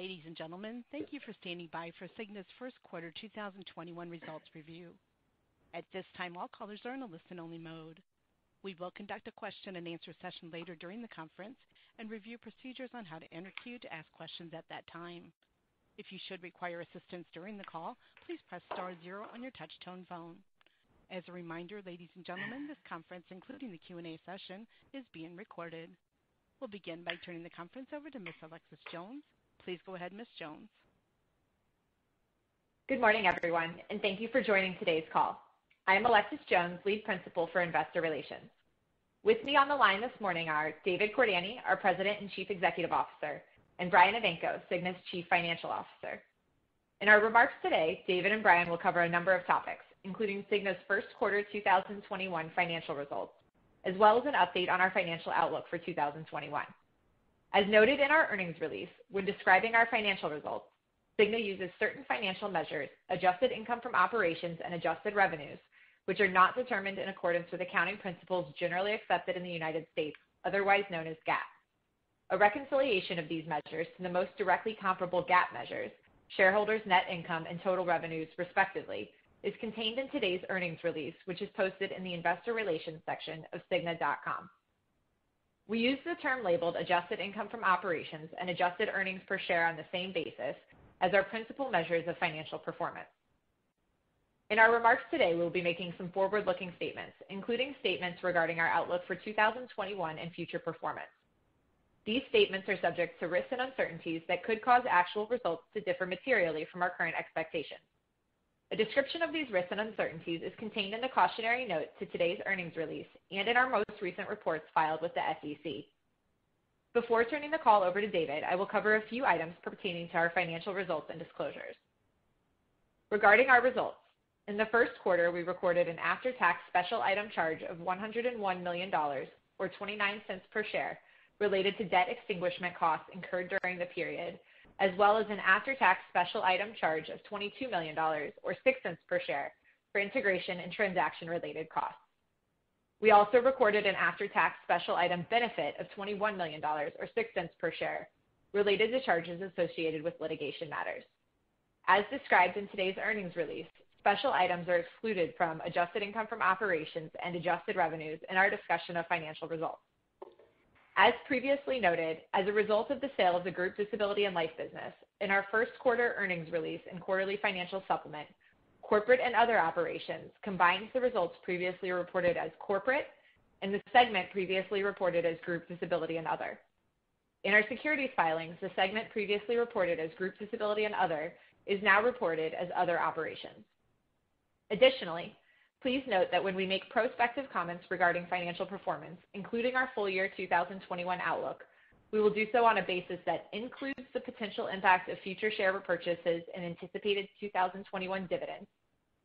Ladies and gentlemen, thank you for standing by for Cigna's first quarter 2021 results review. At this time, all callers are in a listen-only mode. We will conduct a question-and-answer session later during the conference and review procedures on how to enter queue to ask questions at that time. If you should require assistance during the call, please press star zero on your touch-tone phone. As a reminder, ladies and gentlemen, this conference, including the Q&A session, is being recorded. We'll begin by turning the conference over to Ms. Alexis Jones. Please go ahead, Ms. Jones. Good morning, everyone, and thank you for joining today's call. I am Alexis Jones, Lead Principal for Investor Relations. With me on the line this morning are David Cordani, our President and Chief Executive Officer, and Brian Evanko, Cigna's Chief Financial Officer. In our remarks today, David and Brian will cover a number of topics, including Cigna's first quarter 2021 financial results, as well as an update on our financial outlook for 2021. As noted in our earnings release, when describing our financial results, Cigna uses certain financial measures, adjusted income from operations and adjusted revenues, which are not determined in accordance with accounting principles generally accepted in the United States, otherwise known as GAAP. A reconciliation of these measures to the most directly comparable GAAP measures, shareholders' net income and total revenues, respectively, is contained in today's earnings release, which is posted in the investor relations section of cigna.com. We use the term labeled adjusted income from operations and adjusted earnings per share on the same basis as our principal measures of financial performance. In our remarks today, we'll be making some forward-looking statements, including statements regarding our outlook for 2021 and future performance. These statements are subject to risks and uncertainties that could cause actual results to differ materially from our current expectations. A description of these risks and uncertainties is contained in the cautionary note to today's earnings release and in our most recent reports filed with the SEC. Before turning the call over to David, I will cover a few items pertaining to our financial results and disclosures. Regarding our results, in the first quarter, we recorded an after-tax special item charge of $101 million, or $0.29 per share, related to debt extinguishment costs incurred during the period, as well as an after-tax special item charge of $22 million, or $0.06 per share for integration and transaction-related costs. We also recorded an after-tax special item benefit of $21 million, or $0.06 per share, related to charges associated with litigation matters. As described in today's earnings release, special items are excluded from adjusted income from operations and adjusted revenues in our discussion of financial results. As previously noted, as a result of the sale of the group disability and life business, in our first quarter earnings release and quarterly financial supplement, Corporate and Other Operations combines the results previously reported as corporate and the segment previously reported as Group Disability and Other. In our securities filings, the segment previously reported as group disability and other is now reported as other operations. Additionally, please note that when we make prospective comments regarding financial performance, including our full year 2021 outlook, we will do so on a basis that includes the potential impact of future share repurchases and anticipated 2021 dividends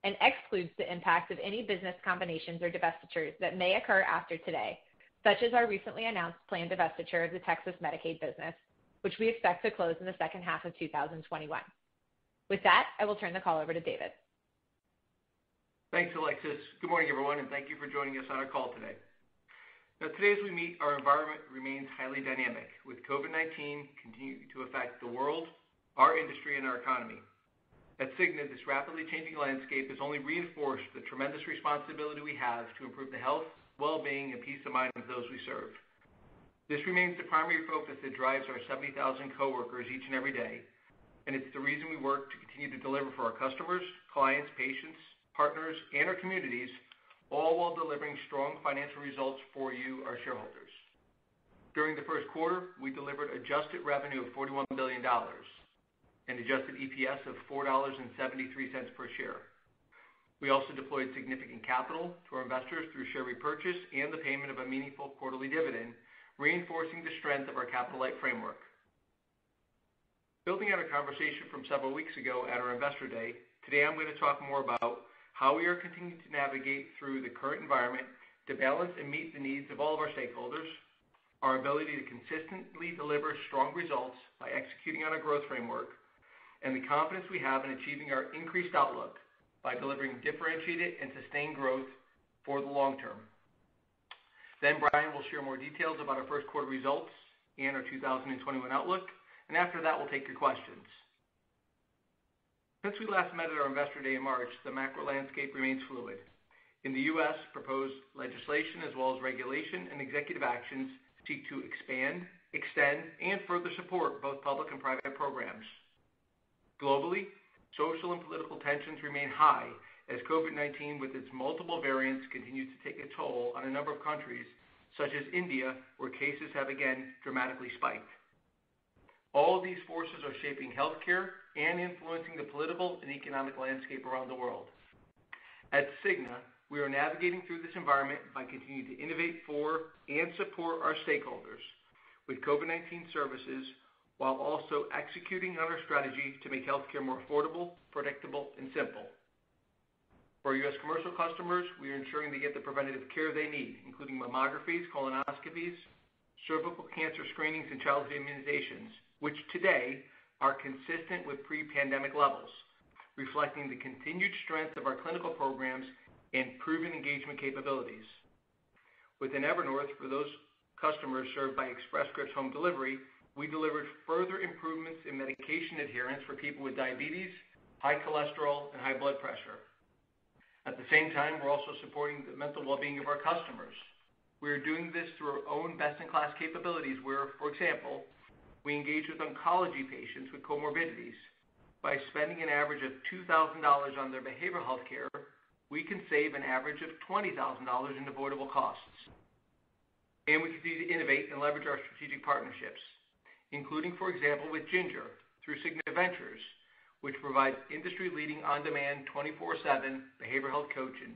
and excludes the impact of any business combinations or divestitures that may occur after today, such as our recently announced planned divestiture of the Texas Medicaid business, which we expect to close in the second half of 2021. With that, I will turn the call over to David. Thanks, Alexis. Good morning, everyone, and thank you for joining us on our call today. Today as we meet, our environment remains highly dynamic, with COVID-19 continuing to affect the world, our industry, and our economy. At Cigna, this rapidly changing landscape has only reinforced the tremendous responsibility we have to improve the health, well-being, and peace of mind of those we serve. This remains the primary focus that drives our 70,000 coworkers each and every day, and it's the reason we work to continue to deliver for our customers, clients, patients, partners, and our communities, all while delivering strong financial results for you, our shareholders. During the first quarter, we delivered adjusted revenue of $41 billion and adjusted EPS of $4.73 per share. We also deployed significant capital to our investors through share repurchase and the payment of a meaningful quarterly dividend, reinforcing the strength of our capital-light framework. Building on a conversation from several weeks ago at our investor day, today I'm going to talk more about how we are continuing to navigate through the current environment to balance and meet the needs of all of our stakeholders, our ability to consistently deliver strong results by executing on our growth framework, and the confidence we have in achieving our increased outlook by delivering differentiated and sustained growth for the long term. Brian will share more details about our first quarter results and our 2021 outlook, and after that, we'll take your questions. Since we last met at our investor day in March, the macro landscape remains fluid. In the U.S., proposed legislation as well as regulation and executive actions seek to expand, extend, and further support both public and private programs. Globally, social and political tensions remain high as COVID-19, with its multiple variants, continues to take a toll on a number of countries, such as India, where cases have again dramatically spiked. All of these forces are shaping healthcare and influencing the political and economic landscape around the world. At Cigna, we are navigating through this environment by continuing to innovate for and support our stakeholders with COVID-19 services while also executing on our strategy to make healthcare more affordable, predictable, and simple. For U.S. commercial customers, we are ensuring they get the preventative care they need, including mammographies, colonoscopies, cervical cancer screenings, and childhood immunizations, which today are consistent with pre-pandemic levels, reflecting the continued strength of our clinical programs and proven engagement capabilities. Within Evernorth, for those customers served by Express Scripts Home Delivery, we delivered further improvements in medication adherence for people with diabetes, high cholesterol, and high blood pressure. At the same time, we're also supporting the mental wellbeing of our customers. We are doing this through our own best-in-class capabilities where, for example, we engage with oncology patients with comorbidities. By spending an average of $2,000 on their behavioral healthcare, we can save an average of $20,000 in avoidable costs. We continue to innovate and leverage our strategic partnerships, including, for example, with Ginger through Cigna Ventures, which provides industry-leading on-demand, 24 seven behavioral health coaching,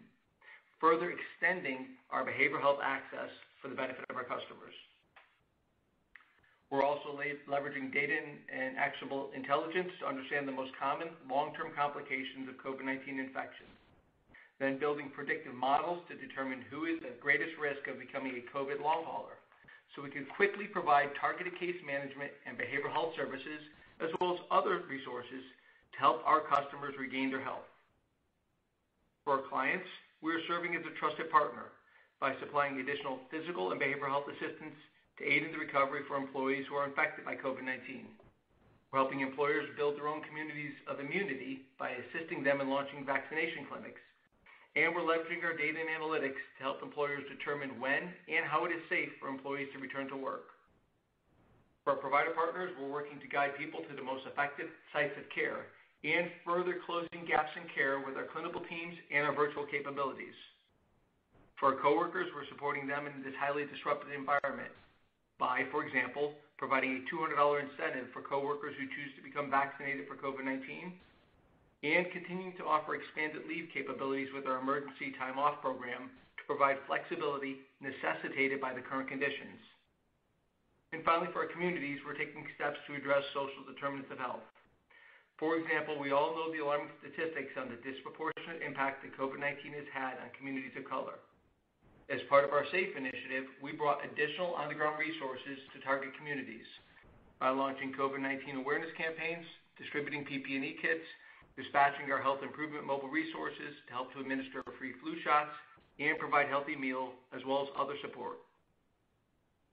further extending our behavioral health access for the benefit of our customers. We're also leveraging data and actionable intelligence to understand the most common long-term complications of COVID-19 infection. Building predictive models to determine who is at greatest risk of becoming a COVID long hauler, so we can quickly provide targeted case management and behavioral health services, as well as other resources, to help our customers regain their health. For our clients, we are serving as a trusted partner by supplying additional physical and behavioral health assistance to aid in the recovery for employees who are infected by COVID-19. We're helping employers build their own communities of immunity by assisting them in launching vaccination clinics. We're leveraging our data and analytics to help employers determine when and how it is safe for employees to return to work. For our provider partners, we're working to guide people to the most effective sites of care and further closing gaps in care with our clinical teams and our virtual capabilities. For our coworkers, we're supporting them in this highly disruptive environment by, for example, providing a $200 incentive for coworkers who choose to become vaccinated for COVID-19 and continuing to offer expanded leave capabilities with our emergency time off program to provide flexibility necessitated by the current conditions. Finally, for our communities, we're taking steps to address social determinants of health. For example, we all know the alarming statistics on the disproportionate impact that COVID-19 has had on communities of color. As part of our SAFE initiative, we brought additional on-the-ground resources to target communities by launching COVID-19 awareness campaigns, distributing PPE kits, dispatching our health improvement mobile resources to help to administer free flu shots and provide healthy meals as well as other support.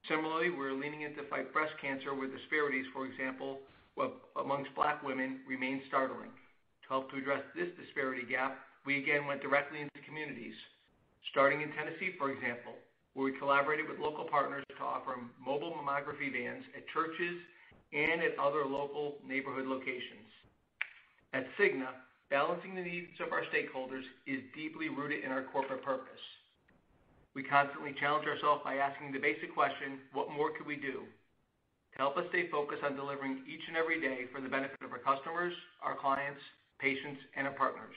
Similarly, we're leaning in to fight breast cancer where disparities, for example, amongst Black women remain startling. To help to address this disparity gap, we again went directly into communities, starting in Tennessee, for example, where we collaborated with local partners to offer mobile mammography vans at churches and at other local neighborhood locations. At Cigna, balancing the needs of our stakeholders is deeply rooted in our corporate purpose. We constantly challenge ourselves by asking the basic question, what more could we do? To help us stay focused on delivering each and every day for the benefit of our customers, our clients, patients, and our partners.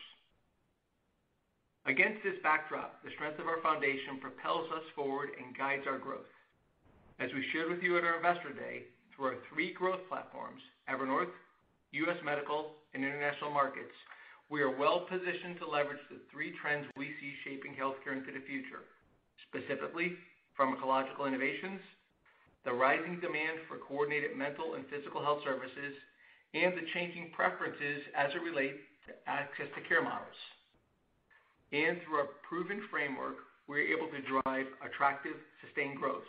Against this backdrop, the strength of our foundation propels us forward and guides our growth. As we shared with you at our investor day, through our 3 growth platforms, Evernorth, U.S. Medical, and International Markets, we are well-positioned to leverage the 3 trends we see shaping healthcare into the future. Specifically, pharmacological innovations, the rising demand for coordinated mental and physical health services, and the changing preferences as it relates to access to care models. Through our proven framework, we are able to drive attractive, sustained growth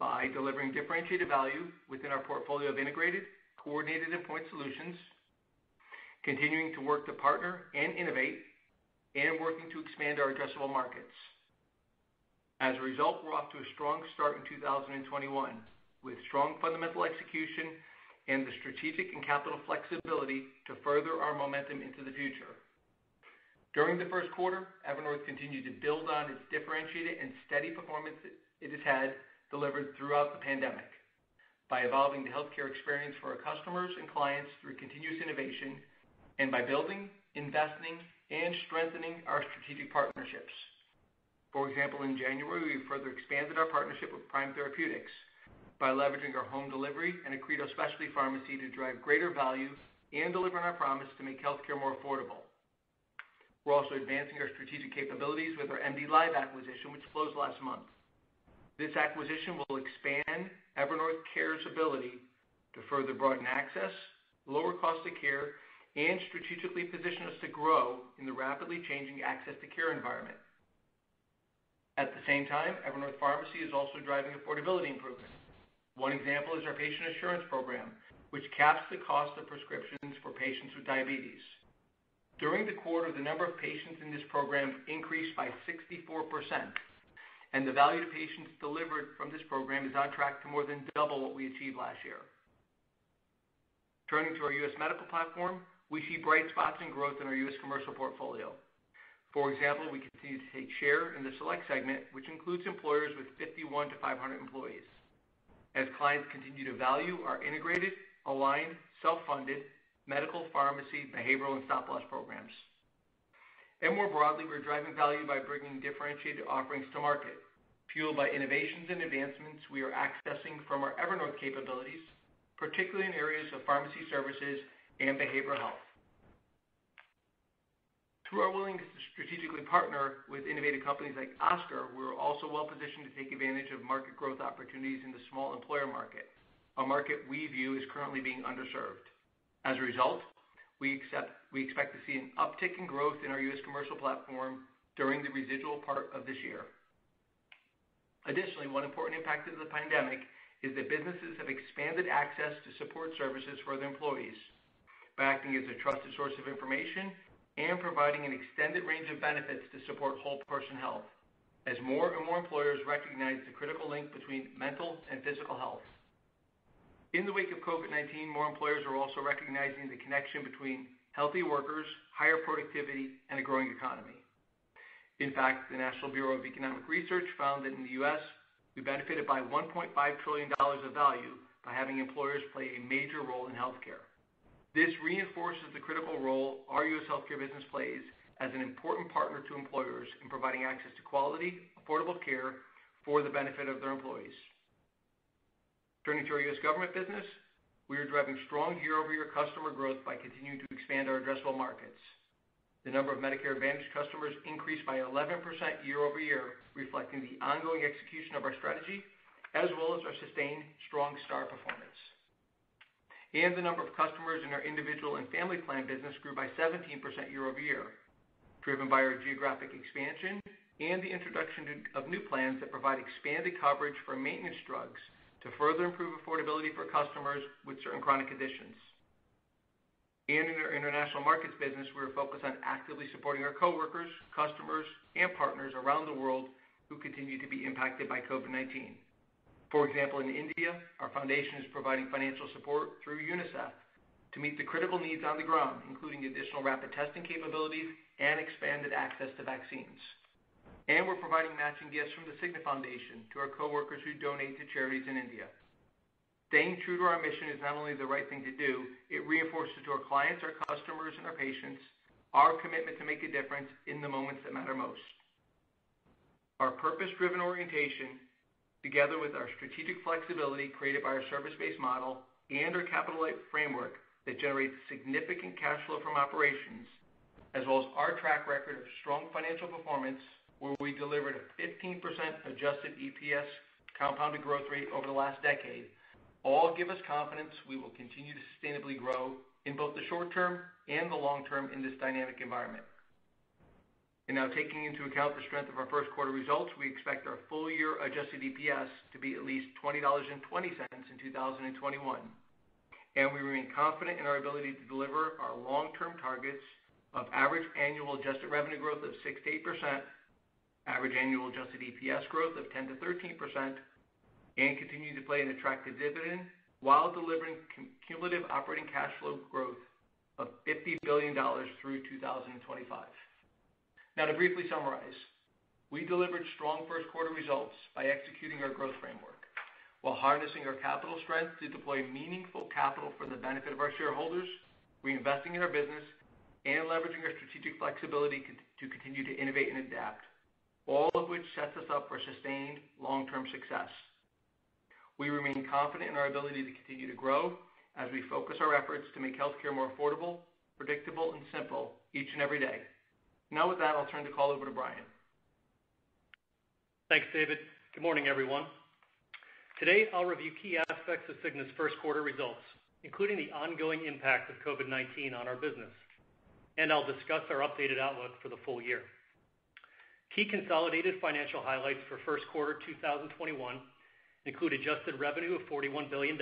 by delivering differentiated value within our portfolio of integrated, coordinated and point solutions, continuing to work to partner and innovate, and working to expand our addressable markets. As a result, we're off to a strong start in 2021, with strong fundamental execution and the strategic and capital flexibility to further our momentum into the future. During the first quarter, Evernorth continued to build on its differentiated and steady performance it has had delivered throughout the pandemic by evolving the healthcare experience for our customers and clients through continuous innovation and by building, investing, and strengthening our strategic partnerships. For example, in January, we further expanded our partnership with Prime Therapeutics by leveraging our home delivery and Accredo Specialty Pharmacy to drive greater value and delivering our promise to make healthcare more affordable. We're also advancing our strategic capabilities with our MDLIVE acquisition, which closed last month. This acquisition will expand Evernorth Care's ability to further broaden access, lower cost of care, and strategically position us to grow in the rapidly changing access to care environment. At the same time, Evernorth Pharmacy is also driving affordability improvements. One example is our Patient Assurance Program, which caps the cost of prescriptions for patients with diabetes. During the quarter, the number of patients in this program increased by 64%. The value to patients delivered from this program is on track to more than double what we achieved last year. Turning to our U.S. Medical platform, we see bright spots in growth in our U.S. commercial portfolio. For example, we continue to take share in the select segment, which includes employers with 51-500 employees, as clients continue to value our integrated, aligned, self-funded medical, pharmacy, behavioral, and stop-loss programs. More broadly, we are driving value by bringing differentiated offerings to market, fueled by innovations and advancements we are accessing from our Evernorth capabilities, particularly in areas of pharmacy services and behavioral health. Through our willingness to strategically partner with innovative companies like Oscar, we're also well-positioned to take advantage of market growth opportunities in the small employer market, a market we view as currently being underserved. We expect to see an uptick in growth in our U.S. commercial platform during the residual part of this year. Additionally, one important impact of the pandemic is that businesses have expanded access to support services for their employees by acting as a trusted source of information and providing an extended range of benefits to support whole person health, as more and more employers recognize the critical link between mental and physical health. In the wake of COVID-19, more employers are also recognizing the connection between healthy workers, higher productivity, and a growing economy. In fact, the National Bureau of Economic Research found that in the U.S., we benefited by $1.5 trillion of value by having employers play a major role in healthcare. This reinforces the critical role our U.S. healthcare business plays as an important partner to employers in providing access to quality, affordable care for the benefit of their employees. Turning to our U.S. government business, we are driving strong year-over-year customer growth by continuing to expand our addressable markets. The number of Medicare Advantage customers increased by 11% year-over-year, reflecting the ongoing execution of our strategy as well as our sustained strong star performance. The number of customers in our individual and family plan business grew by 17% year-over-year, driven by our geographic expansion and the introduction of new plans that provide expanded coverage for maintenance drugs to further improve affordability for customers with certain chronic conditions. In our International Markets business, we are focused on actively supporting our coworkers, customers, and partners around the world who continue to be impacted by COVID-19. For example, in India, our foundation is providing financial support through UNICEF to meet the critical needs on the ground, including additional rapid testing capabilities and expanded access to vaccines. We're providing matching gifts from the Cigna Foundation to our coworkers who donate to charities in India. Staying true to our mission is not only the right thing to do, it reinforces to our clients, our customers, and our patients our commitment to make a difference in the moments that matter most. Our purpose-driven orientation, together with our strategic flexibility created by our service-based model and our capital-light framework that generates significant cash flow from operations, as well as our track record of strong financial performance where we delivered a 15% adjusted EPS compounded growth rate over the last decade, all give us confidence we will continue to sustainably grow in both the short term and the long term in this dynamic environment. Now taking into account the strength of our first quarter results, we expect our full year adjusted EPS to be at least $20.20 in 2021, and we remain confident in our ability to deliver our long-term targets of average annual adjusted revenue growth of 6%-8%, average annual adjusted EPS growth of 10%-13%, and continue to pay an attractive dividend while delivering cumulative operating cash flow growth of $50 billion through 2025. Now to briefly summarize, we delivered strong first quarter results by executing our growth framework while harnessing our capital strength to deploy meaningful capital for the benefit of our shareholders, reinvesting in our business, and leveraging our strategic flexibility to continue to innovate and adapt, all of which sets us up for sustained long-term success. We remain confident in our ability to continue to grow as we focus our efforts to make healthcare more affordable, predictable, and simple each and every day. Now with that, I'll turn the call over to Brian. Thanks, David. Good morning, everyone. Today, I'll review key aspects of Cigna's first quarter results, including the ongoing impact of COVID-19 on our business, and I'll discuss our updated outlook for the full year. Key consolidated financial highlights for first quarter 2021 include adjusted revenue of $41 billion,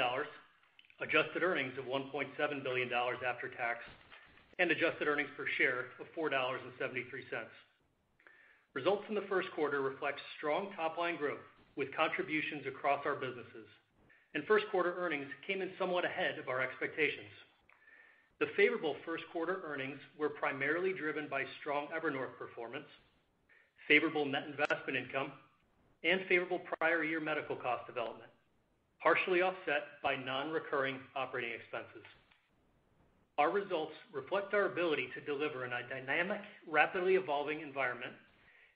adjusted earnings of $1.7 billion after tax, and adjusted earnings per share of $4.73. Results from the first quarter reflect strong top-line growth with contributions across our businesses, and first quarter earnings came in somewhat ahead of our expectations. The favorable first quarter earnings were primarily driven by strong Evernorth performance, favorable net investment income, and favorable prior year medical cost development, partially offset by non-recurring operating expenses. Our results reflect our ability to deliver in a dynamic, rapidly evolving environment,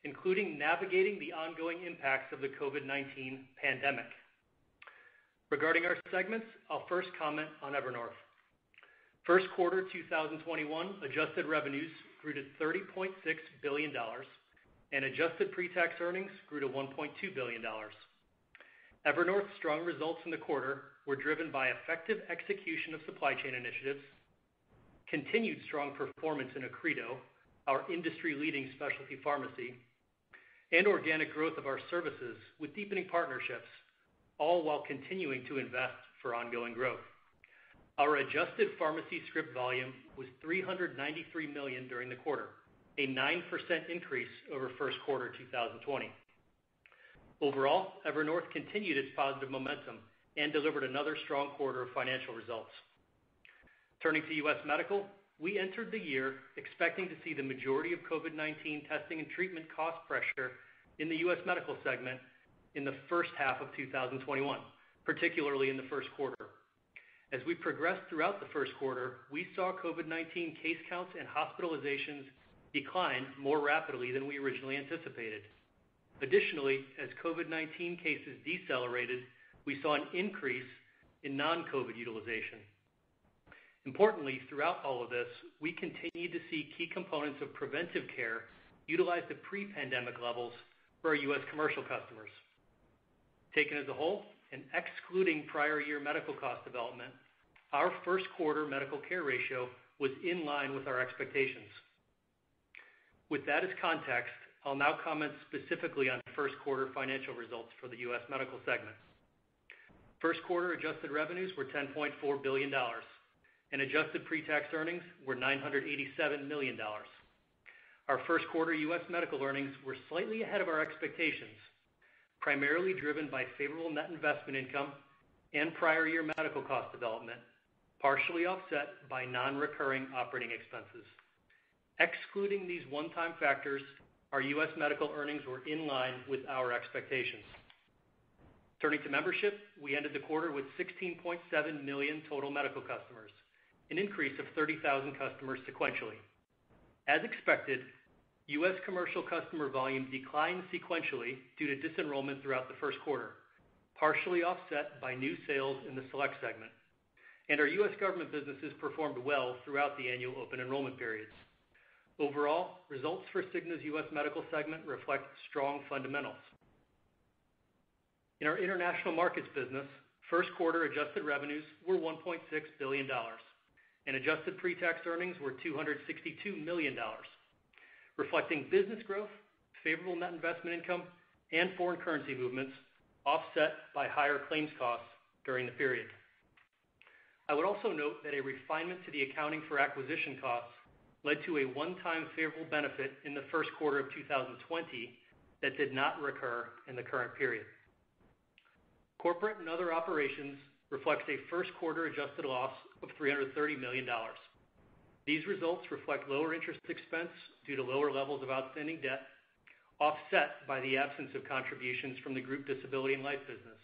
including navigating the ongoing impacts of the COVID-19 pandemic. Regarding our segments, I'll first comment on Evernorth. First quarter 2021 adjusted revenues grew to $30.6 billion, and adjusted pre-tax earnings grew to $1.2 billion. Evernorth's strong results in the quarter were driven by effective execution of supply chain initiatives, continued strong performance in Accredo, our industry-leading specialty pharmacy, and organic growth of our services with deepening partnerships, all while continuing to invest for ongoing growth. Our adjusted pharmacy script volume was 393 million during the quarter, a 9% increase over first quarter 2020. Overall, Evernorth continued its positive momentum and delivered another strong quarter of financial results. Turning to U.S. Medical, we entered the year expecting to see the majority of COVID-19 testing and treatment cost pressure in the U.S. Medical segment in the first half of 2021, particularly in the first quarter. As we progressed throughout the first quarter, we saw COVID-19 case counts and hospitalizations decline more rapidly than we originally anticipated. Additionally, as COVID-19 cases decelerated, we saw an increase in non-COVID utilization. Importantly, throughout all of this, we continued to see key components of preventive care utilized at pre-pandemic levels for our U.S. commercial customers. Taken as a whole, and excluding prior year medical cost development, our first quarter medical care ratio was in line with our expectations. With that as context, I'll now comment specifically on first quarter financial results for the U.S. Medical segment. First quarter adjusted revenues were $10.4 billion, and adjusted pre-tax earnings were $987 million. Our first quarter U.S. Medical earnings were slightly ahead of our expectations, primarily driven by favorable net investment income and prior year medical cost development, partially offset by non-recurring operating expenses. Excluding these one-time factors, our U.S. Medical earnings were in line with our expectations. Turning to membership, we ended the quarter with 16.7 million total medical customers, an increase of 30,000 customers sequentially. As expected, U.S. commercial customer volume declined sequentially due to disenrollment throughout the first quarter, partially offset by new sales in the select segment. Our U.S. government businesses performed well throughout the annual open enrollment periods. Overall, results for Cigna's U.S. Medical segment reflect strong fundamentals. In our International Markets business, first quarter adjusted revenues were $1.6 billion, and adjusted pre-tax earnings were $262 million, reflecting business growth, favorable net investment income, and foreign currency movements offset by higher claims costs during the period. I would also note that a refinement to the accounting for acquisition costs led to a one-time favorable benefit in the first quarter of 2020 that did not recur in the current period. Corporate and other operations reflects a first quarter adjusted loss of $330 million. These results reflect lower interest expense due to lower levels of outstanding debt, offset by the absence of contributions from the group disability and life business,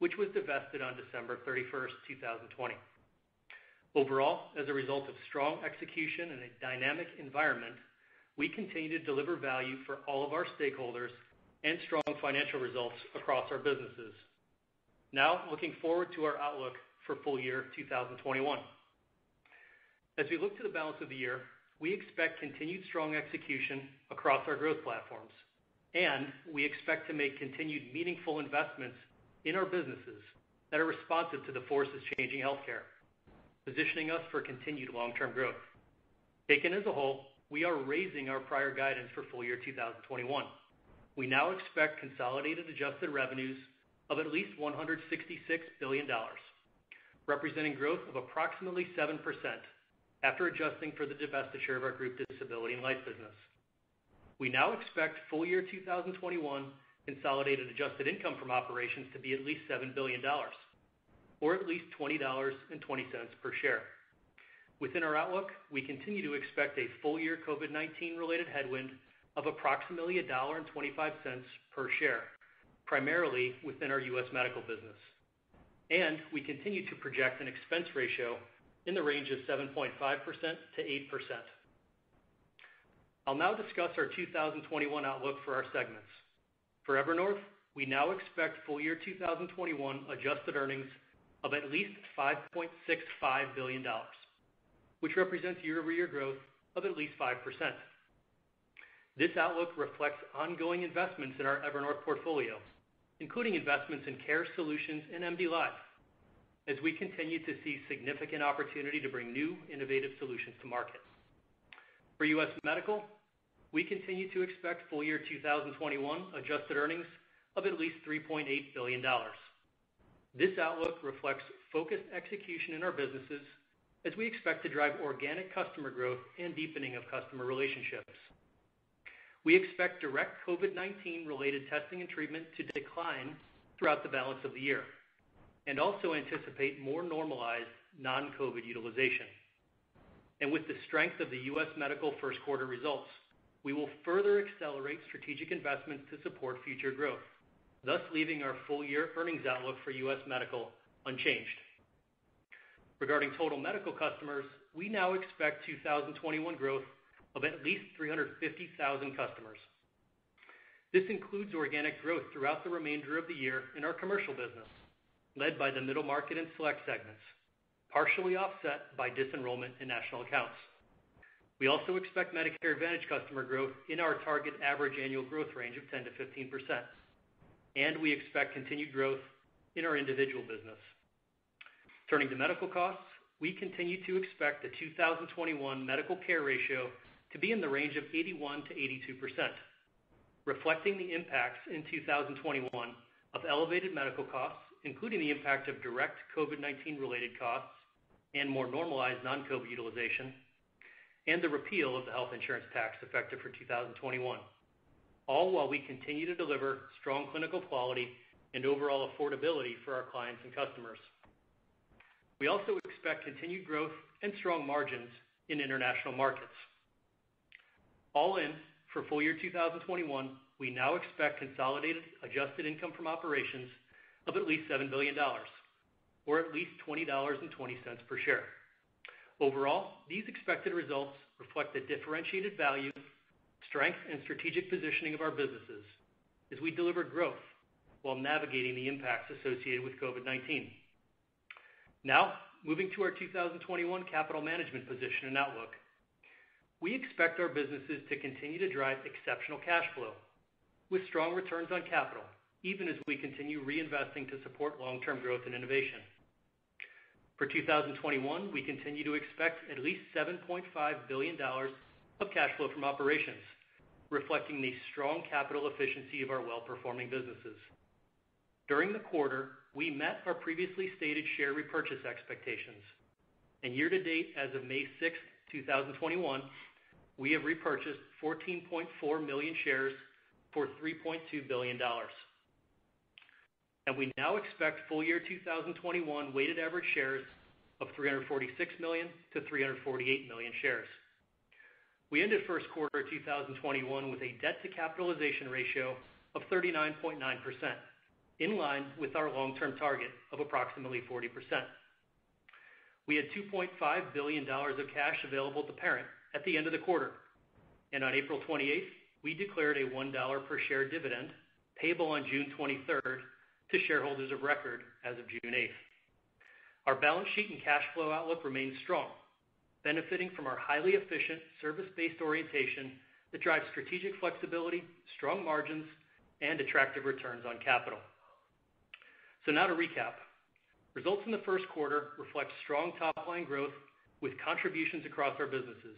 which was divested on December 31st, 2020. Overall, as a result of strong execution in a dynamic environment, we continue to deliver value for all of our stakeholders and strong financial results across our businesses. Now, looking forward to our outlook for full year 2021. As we look to the balance of the year, we expect continued strong execution across our growth platforms, and we expect to make continued meaningful investments in our businesses that are responsive to the forces changing healthcare, positioning us for continued long-term growth. Taken as a whole, we are raising our prior guidance for full year 2021. We now expect consolidated adjusted revenues of at least $166 billion, representing growth of approximately 7% after adjusting for the divestiture of our group disability and life business. We now expect full year 2021 consolidated adjusted income from operations to be at least $7 billion, or at least $20.20 per share. Within our outlook, we continue to expect a full year COVID-19 related headwind of approximately $1.25 per share, primarily within our U.S. Medical business. We continue to project an expense ratio in the range of 7.5%-8%. I'll now discuss our 2021 outlook for our segments. For Evernorth, we now expect full year 2021 adjusted earnings of at least $5.65 billion, which represents year-over-year growth of at least 5%. This outlook reflects ongoing investments in our Evernorth portfolio, including investments in care solutions and MDLIVE, as we continue to see significant opportunity to bring new, innovative solutions to market. For U.S. Medical, we continue to expect full year 2021 adjusted earnings of at least $3.8 billion. This outlook reflects focused execution in our businesses as we expect to drive organic customer growth and deepening of customer relationships. We expect direct COVID-19 related testing and treatment to decline throughout the balance of the year and also anticipate more normalized non-COVID utilization. With the strength of the U.S. Medical first quarter results, we will further accelerate strategic investments to support future growth, thus leaving our full year earnings outlook for U.S. Medical unchanged. Regarding total medical customers, we now expect 2021 growth of at least 350,000 customers. This includes organic growth throughout the remainder of the year in our commercial business, led by the middle market and select segments, partially offset by disenrollment in national accounts. We also expect Medicare Advantage customer growth in our target average annual growth range of 10%-15%, and we expect continued growth in our individual business. Turning to medical costs, we continue to expect the 2021 medical care ratio to be in the range of 81%-82%, reflecting the impacts in 2021 of elevated medical costs, including the impact of direct COVID-19 related costs and more normalized non-COVID utilization, and the repeal of the health insurance tax effective for 2021. All while we continue to deliver strong clinical quality and overall affordability for our clients and customers. We also expect continued growth and strong margins in International Markets. All in, for full year 2021, we now expect consolidated adjusted income from operations of at least $7 billion, or at least $20.20 per share. Overall, these expected results reflect the differentiated value, strength, and strategic positioning of our businesses as we deliver growth while navigating the impacts associated with COVID-19. Moving to our 2021 capital management position and outlook. We expect our businesses to continue to drive exceptional cash flow with strong returns on capital, even as we continue reinvesting to support long-term growth and innovation. For 2021, we continue to expect at least $7.5 billion of cash flow from operations, reflecting the strong capital efficiency of our well-performing businesses. During the quarter, we met our previously stated share repurchase expectations. Year to date, as of May 6th, 2021, we have repurchased 14.4 million shares for $3.2 billion. We now expect full year 2021 weighted average shares of 346 million-348 million shares. We ended first quarter 2021 with a debt to capitalization ratio of 39.9%, in line with our long-term target of approximately 40%. We had $2.5 billion of cash available to parent at the end of the quarter. On April 28th, we declared a $1 per share dividend payable on June 23rd to shareholders of record as of June 8th. Our balance sheet and cash flow outlook remains strong, benefiting from our highly efficient service-based orientation that drives strategic flexibility, strong margins, and attractive returns on capital. Now to recap, results in the first quarter reflect strong top-line growth with contributions across our businesses,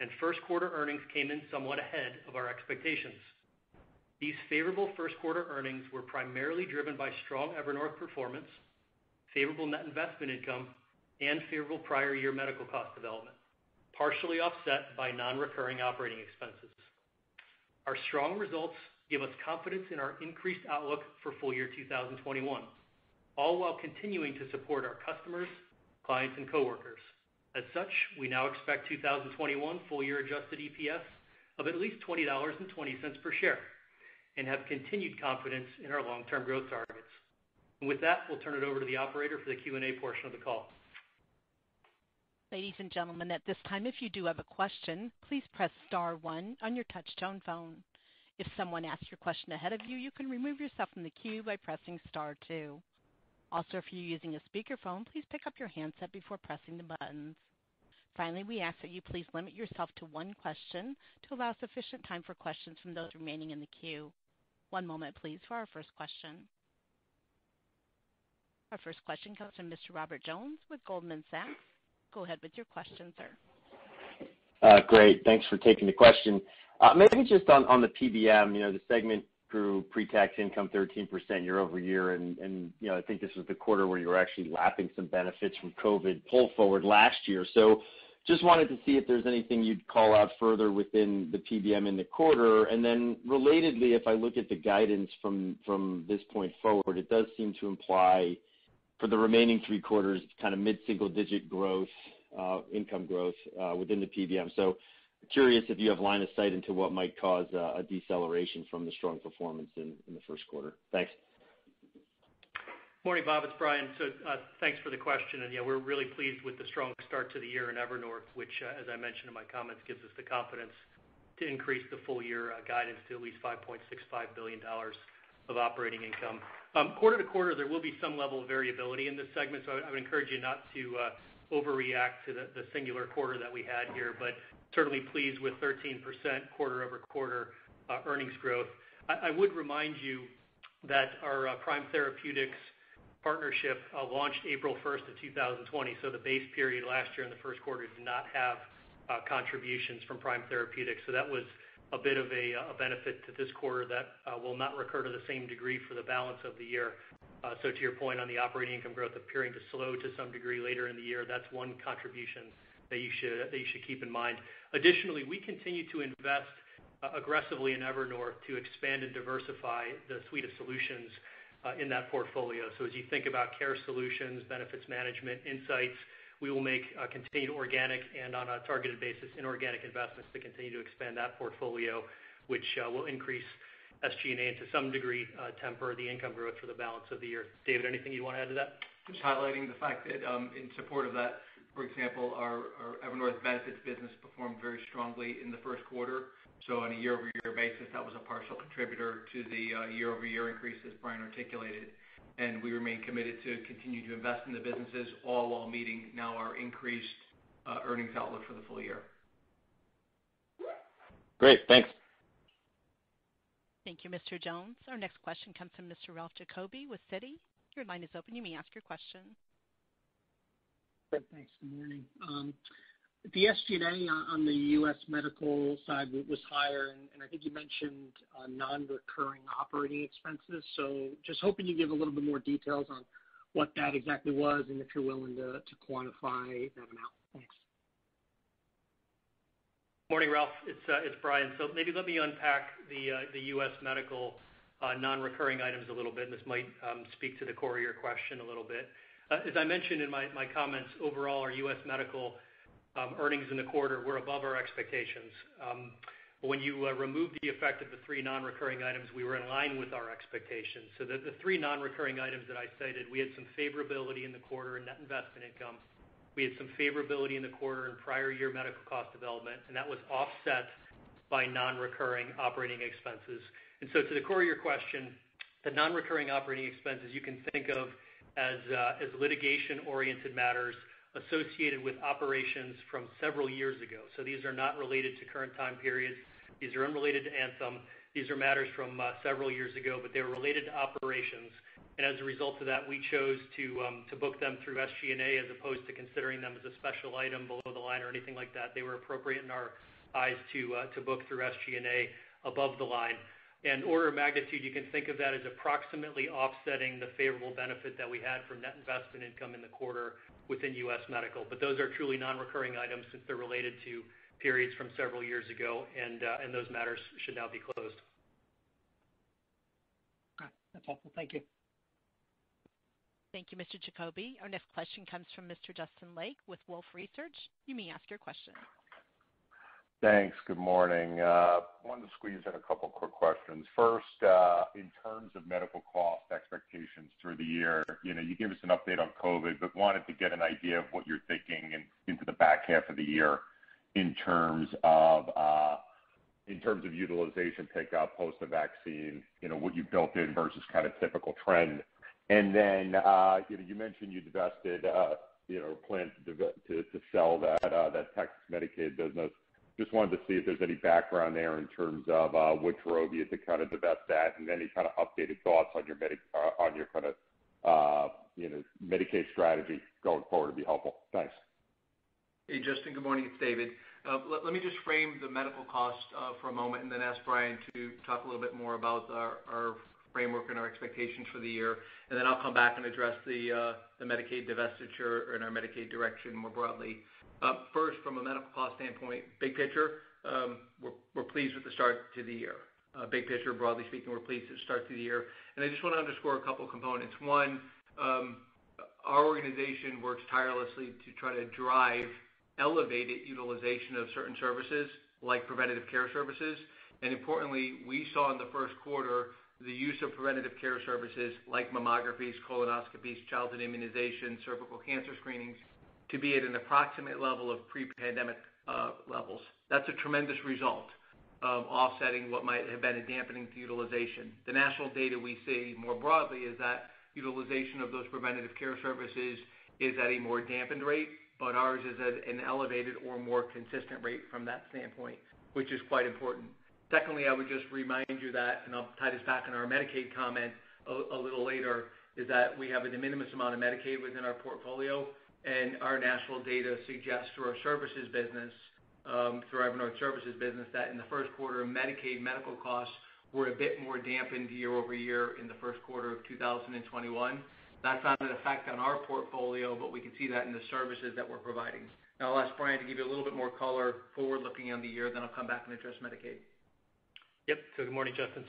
and first quarter earnings came in somewhat ahead of our expectations. These favorable first quarter earnings were primarily driven by strong Evernorth performance, favorable net investment income, and favorable prior year medical cost development, partially offset by non-recurring operating expenses. Our strong results give us confidence in our increased outlook for full year 2021, all while continuing to support our customers, clients, and coworkers. We now expect 2021 full year adjusted EPS of at least $20.20 per share, and have continued confidence in our long-term growth targets. With that, we'll turn it over to the operator for the Q&A portion of the call. Ladies and gentlemen, at this time, if you do have a question, please press star one on your touchtone phone. If someone asks your question ahead of you can remove yourself from the queue by pressing star two. Also, if you're using a speakerphone, please pick up your handset before pressing the buttons. Finally, we ask that you please limit yourself to one question to allow sufficient time for questions from those remaining in the queue. One moment, please, for our first question. Our first question comes from Mr. Robert Jones with Goldman Sachs. Go ahead with your question, sir. Great. Thanks for taking the question. Maybe just on the PBM, the segment grew pre-tax income 13% year-over-year. I think this was the quarter where you were actually lapping some benefits from COVID pull forward last year. Just wanted to see if there's anything you'd call out further within the PBM in the quarter. Relatedly, if I look at the guidance from this point forward, it does seem to imply for the remaining three quarters, it's kind of mid-single digit income growth within the PBM. Curious if you have line of sight into what might cause a deceleration from the strong performance in the first quarter. Thanks. Morning, Bob. It's Brian. Thanks for the question. Yeah, we're really pleased with the strong start to the year in Evernorth, which, as I mentioned in my comments, gives us the confidence to increase the full year guidance to at least $5.65 billion of operating income. Quarter-over-quarter, there will be some level of variability in this segment. I would encourage you not to overreact to the singular quarter that we had here, certainly pleased with 13% quarter-over-quarter earnings growth. I would remind you that our Prime Therapeutics partnership launched April 1st of 2020. The base period last year in the first quarter did not have contributions from Prime Therapeutics. That was a bit of a benefit to this quarter that will not recur to the same degree for the balance of the year. To your point on the operating income growth appearing to slow to some degree later in the year, that's one contribution that you should keep in mind. Additionally, we continue to invest aggressively in Evernorth to expand and diversify the suite of solutions in that portfolio. As you think about care solutions, benefits management, insights, we will make continued organic, and on a targeted basis, inorganic investments to continue to expand that portfolio, which will increase SG&A, and to some degree, temper the income growth for the balance of the year. David, anything you'd want to add to that? Just highlighting the fact that in support of that, for example, our Evernorth Benefits business performed very strongly in the first quarter. On a year-over-year basis, that was a partial contributor to the year-over-year increase, as Brian articulated. We remain committed to continue to invest in the businesses, all while meeting now our increased earnings outlook for the full year. Great. Thanks. Thank you, Mr. Jones. Our next question comes from Mr. Ralph Giacobbe with Citi. Good, thanks. Good morning. The SG&A on the U.S. Medical side was higher, and I think you mentioned non-recurring operating expenses. Just hoping you give a little bit more details on what that exactly was and if you're willing to quantify that amount. Thanks. Morning, Ralph. It's Brian. Maybe let me unpack the U.S. Medical non-recurring items a little bit, and this might speak to the core of your question a little bit. As I mentioned in my comments, overall, our U.S. Medical earnings in the quarter were above our expectations. When you remove the effect of the three non-recurring items, we were in line with our expectations. The three non-recurring items that I cited, we had some favorability in the quarter in net investment income. We had some favorability in the quarter in prior year medical cost development. That was offset by non-recurring operating expenses. To the core of your question, the non-recurring operating expenses you can think of as litigation-oriented matters associated with operations from several years ago. These are not related to current time periods. These are unrelated to Anthem. These are matters from several years ago, but they were related to operations. As a result of that, we chose to book them through SG&A as opposed to considering them as a special item below the line or anything like that. They were appropriate in our eyes to book through SG&A above the line. Order of magnitude, you can think of that as approximately offsetting the favorable benefit that we had from net investment income in the quarter within U.S. Medical. Those are truly non-recurring items since they're related to periods from several years ago, and those matters should now be closed. Got it. That's helpful. Thank you. Thank you, Mr. Giacobbe. Our next question comes from Mr. Justin Lake with Wolfe Research. You may ask your question. Thanks. Good morning. Wanted to squeeze in a couple quick questions. First, in terms of medical cost expectations through the year. You gave us an update on COVID-19, but wanted to get an idea of what you're thinking into the back half of the year in terms of utilization pickup post the vaccine, what you've built in versus kind of typical trend. You mentioned you divested, planned to sell that Texas Medicaid business. Just wanted to see if there's any background there in terms of which rule you had to divest that, and any kind of updated thoughts on your kind of Medicaid strategy going forward would be helpful. Thanks. Hey, Justin. Good morning. It's David. Let me just frame the medical cost for a moment and then ask Brian to talk a little bit more about our framework and our expectations for the year. Then I'll come back and address the Medicaid divestiture and our Medicaid direction more broadly. First, from a medical cost standpoint, big picture, we're pleased with the start to the year. Big picture, broadly speaking, we're pleased with the start to the year. I just want to underscore a couple components. One, our organization works tirelessly to try to drive elevated utilization of certain services, like preventative care services. Importantly, we saw in the first quarter, the use of preventative care services like mammographies, colonoscopies, childhood immunization, cervical cancer screenings, to be at an approximate level of pre-pandemic levels. That's a tremendous result of offsetting what might have been a dampening to utilization. The national data we see more broadly is that utilization of those preventive care services is at a more dampened rate, but ours is at an elevated or more consistent rate from that standpoint, which is quite important. I would just remind you that, and I'll tie this back in our Medicaid comment a little later, is that we have a de minimis amount of Medicaid within our portfolio, and our national data suggests through our services business, through our Evernorth services business, that in the first quarter, Medicaid medical costs were a bit more dampened year-over-year in the first quarter of 2021. That's not an effect on our portfolio, but we can see that in the services that we're providing. I'll ask Brian to give you a little bit more color forward looking on the year, then I'll come back and address Medicaid. Yep. Good morning, Justin.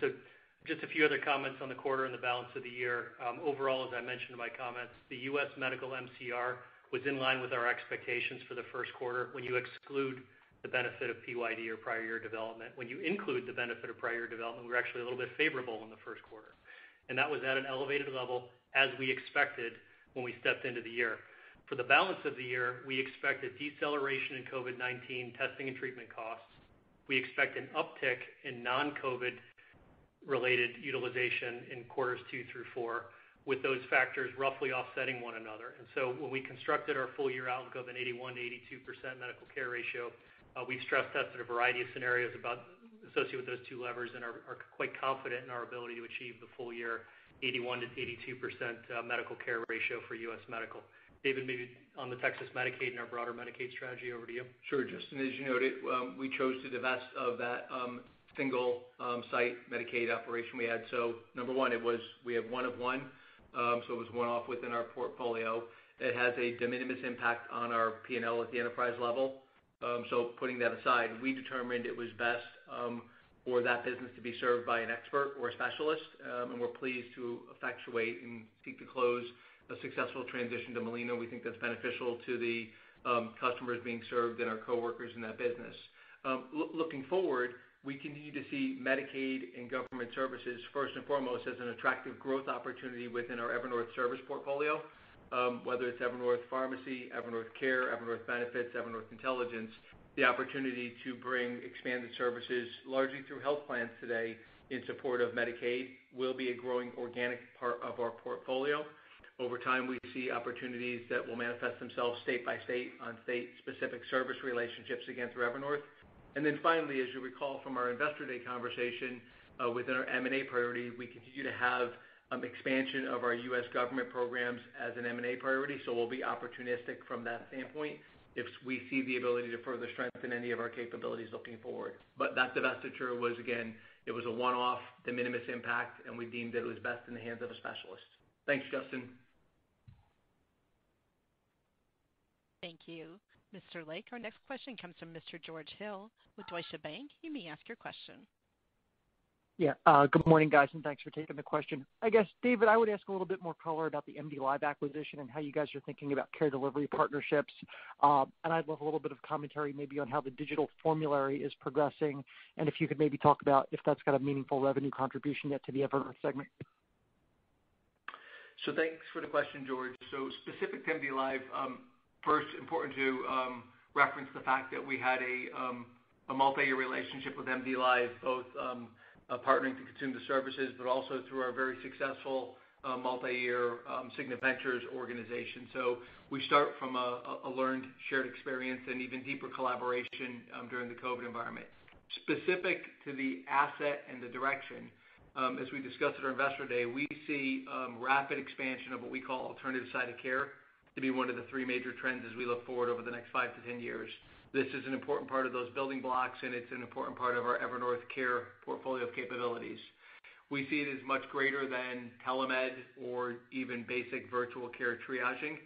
Just a few other comments on the quarter and the balance of the year. Overall, as I mentioned in my comments, the U.S. Medical MCR was in line with our expectations for the first quarter when you exclude the benefit of PYD or prior year development. When you include the benefit of prior year development, we're actually a little bit favorable in the first quarter. That was at an elevated level, as we expected when we stepped into the year. For the balance of the year, we expect a deceleration in COVID-19 testing and treatment costs. We expect an uptick in non-COVID related utilization in quarters two through four, with those factors roughly offsetting one another. When we constructed our full year outlook of an 81%-82% medical care ratio, we've stress tested a variety of scenarios associated with those two levers and are quite confident in our ability to achieve the full year 81%-82% medical care ratio for U.S. Medical. David, maybe on the Texas Medicaid and our broader Medicaid strategy. Over to you. Sure, Justin. As you noted, we chose to divest of that single site Medicaid operation we had. Number one, we have one of one, so it was one-off within our portfolio. It has a de minimis impact on our P&L at the enterprise level. Putting that aside, we determined it was best for that business to be served by an expert or a specialist, and we're pleased to effectuate and seek to close a successful transition to Molina. We think that's beneficial to the customers being served and our coworkers in that business. Looking forward, we continue to see Medicaid and government services first and foremost as an attractive growth opportunity within our Evernorth service portfolio. Whether it's Evernorth Pharmacy, Evernorth Care, Evernorth Benefits, Evernorth Intelligence, the opportunity to bring expanded services largely through health plans today in support of Medicaid will be a growing organic part of our portfolio. Over time, we see opportunities that will manifest themselves state by state on state specific service relationships against Evernorth. Finally, as you'll recall from our Investor Day conversation, within our M&A priority, we continue to have expansion of our U.S. government programs as an M&A priority. We'll be opportunistic from that standpoint if we see the ability to further strengthen any of our capabilities looking forward. That divestiture was, again, it was a one-off, de minimis impact, and we deemed it was best in the hands of a specialist. Thanks, Justin. Thank you, Mr. Lake. Our next question comes from Mr. George Hill with Deutsche Bank. You may ask your question. Yeah. Good morning, guys, thanks for taking the question. I guess, David, I would ask a little bit more color about the MDLIVE acquisition and how you guys are thinking about care delivery partnerships. I'd love a little bit of commentary maybe on how the Digital Health Formulary is progressing, and if you could maybe talk about if that's got a meaningful revenue contribution yet to the Evernorth segment. Thanks for the question, George. Specific to MDLIVE, first, important to reference the fact that we had a multi-year relationship with MDLIVE, both partnering to consume the services but also through our very successful multi-year Cigna Ventures organization. We start from a learned, shared experience and even deeper collaboration during the COVID environment. Specific to the asset and the direction, as we discussed at our Investor Day, we see rapid expansion of what we call alternative site of care to be one of the three major trends as we look forward over the next 5-10 years. This is an important part of those building blocks, and it's an important part of our Evernorth Care portfolio of capabilities. We see it as much greater than telemed or even basic virtual care triaging.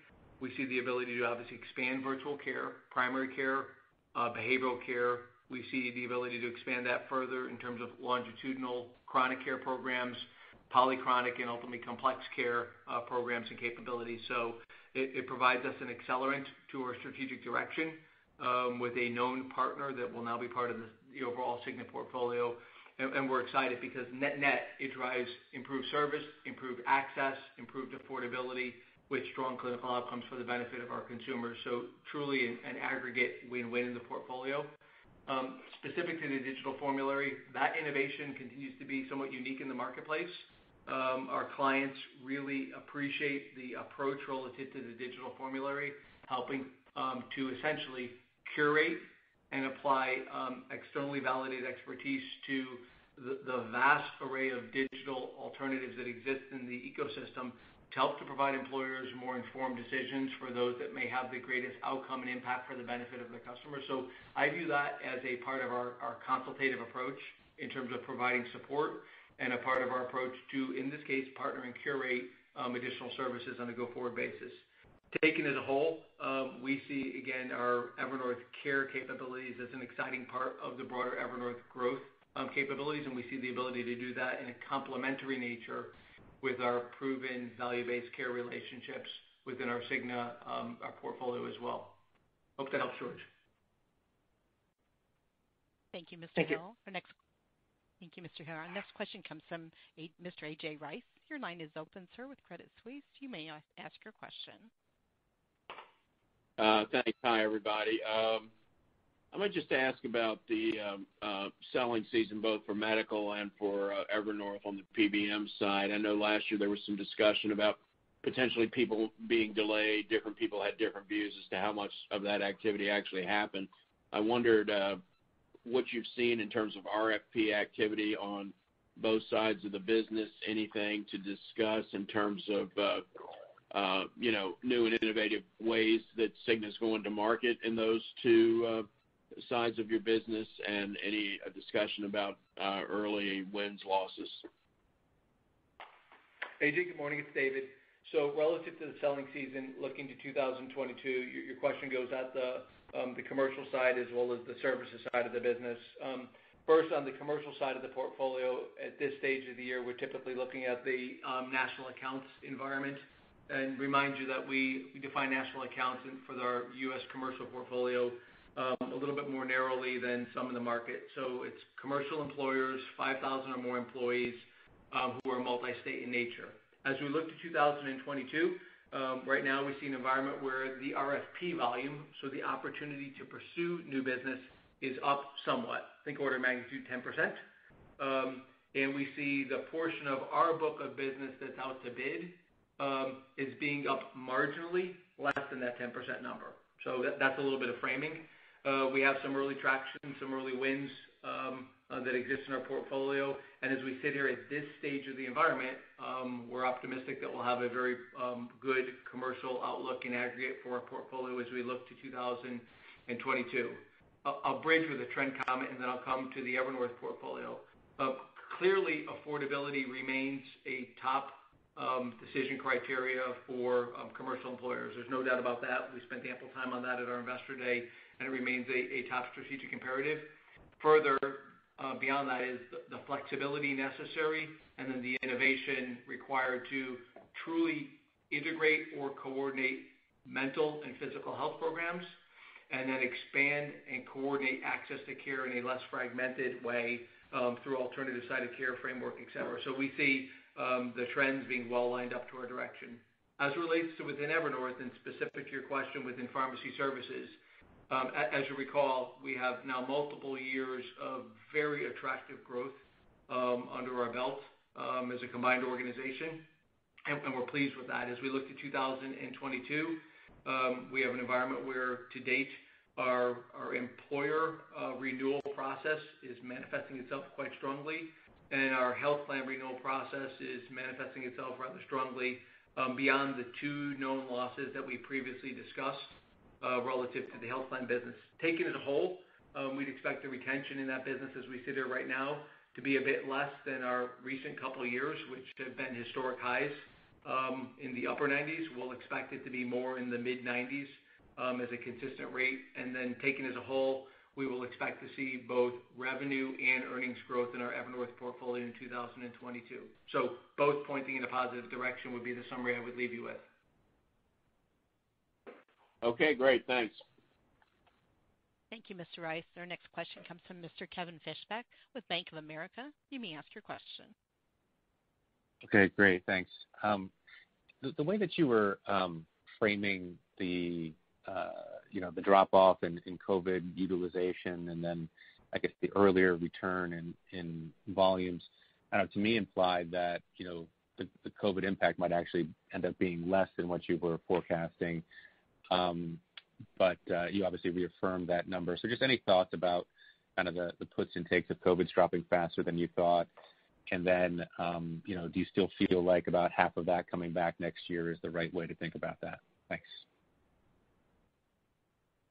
We see the ability to obviously expand virtual care, primary care, behavioral care. We see the ability to expand that further in terms of longitudinal chronic care programs, polychronic, and ultimately complex care programs and capabilities. It provides us an accelerant to our strategic direction with a known partner that will now be part of the overall Cigna portfolio. We're excited because net-net, it drives improved service, improved access, improved affordability with strong clinical outcomes for the benefit of our consumers. Truly an aggregate win-win in the portfolio. Specific to the Digital Formulary, that innovation continues to be somewhat unique in the marketplace. Our clients really appreciate the approach relative to the Digital Formulary, helping to essentially curate and apply externally validated expertise to the vast array of digital alternatives that exist in the ecosystem to help to provide employers more informed decisions for those that may have the greatest outcome and impact for the benefit of the customer. I view that as a part of our consultative approach in terms of providing support and a part of our approach to, in this case, partner and curate additional services on a go-forward basis. Taken as a whole, we see, again, our Evernorth Care capabilities as an exciting part of the broader Evernorth growth capabilities, and we see the ability to do that in a complementary nature with our proven value-based care relationships within our Cigna portfolio as well. Hope that helps, George. Thank you, Mr. Hill. Thank you. Our next question comes from Mr. A.J. Rice. Your line is open, sir, with Credit Suisse. You may ask your question. Thanks. Hi, everybody. I might just ask about the selling season, both for medical and for Evernorth on the PBM side. I know last year there was some discussion about potentially people being delayed. Different people had different views as to how much of that activity actually happened. I wondered what you've seen in terms of RFP activity on both sides of the business, anything to discuss in terms of new and innovative ways that Cigna's going to market in those two sides of your business, and any discussion about early wins, losses. A.J., good morning. It's David. Relative to the selling season, looking to 2022, your question goes at the commercial side as well as the services side of the business. First, on the commercial side of the portfolio, at this stage of the year, we're typically looking at the national accounts environment, remind you that we define national accounts for our U.S. commercial portfolio a little bit more narrowly than some in the market. It's commercial employers, 5,000 or more employees, who are multi-state in nature. As we look to 2022, right now we see an environment where the RFP volume, the opportunity to pursue new business, is up somewhat, think order of magnitude 10%. We see the portion of our book of business that's out to bid is being up marginally less than that 10% number. That's a little bit of framing. We have some early traction, some early wins that exist in our portfolio. As we sit here at this stage of the environment, we're optimistic that we'll have a very good commercial outlook in aggregate for our portfolio as we look to 2022. I'll bridge with a trend comment, and then I'll come to the Evernorth portfolio. Clearly, affordability remains a top decision criteria for commercial employers. There's no doubt about that. We spent ample time on that at our Investor Day, and it remains a top strategic imperative. Further beyond that is the flexibility necessary, and then the innovation required to truly integrate or coordinate mental and physical health programs, and then expand and coordinate access to care in a less fragmented way through alternative site of care framework, et cetera. We see the trends being well lined up to our direction. As it relates to within Evernorth and specific to your question within pharmacy services, as you'll recall, we have now multiple years of very attractive growth under our belt as a combined organization, and we're pleased with that. As we look to 2022, we have an environment where to date, our employer renewal process is manifesting itself quite strongly, and our health plan renewal process is manifesting itself rather strongly beyond the two known losses that we previously discussed relative to the health plan business. Taken as a whole, we'd expect the retention in that business as we sit here right now to be a bit less than our recent couple of years, which have been historic highs in the upper 90s. We'll expect it to be more in the mid-90s as a consistent rate. Taken as a whole, we will expect to see both revenue and earnings growth in our Evernorth portfolio in 2022. Both pointing in a positive direction would be the summary I would leave you with. Okay, great. Thanks. Thank you, Mr. Rice. Our next question comes from Mr. Kevin Fischbeck with Bank of America. You may ask your question. Okay, great. Thanks. The way that you were framing the drop-off in COVID utilization, and then, I guess the earlier return in volumes, to me implied that the COVID impact might actually end up being less than what you were forecasting. You obviously reaffirmed that number. Just any thoughts about kind of the puts and takes of COVID dropping faster than you thought? Do you still feel like about half of that coming back next year is the right way to think about that? Thanks.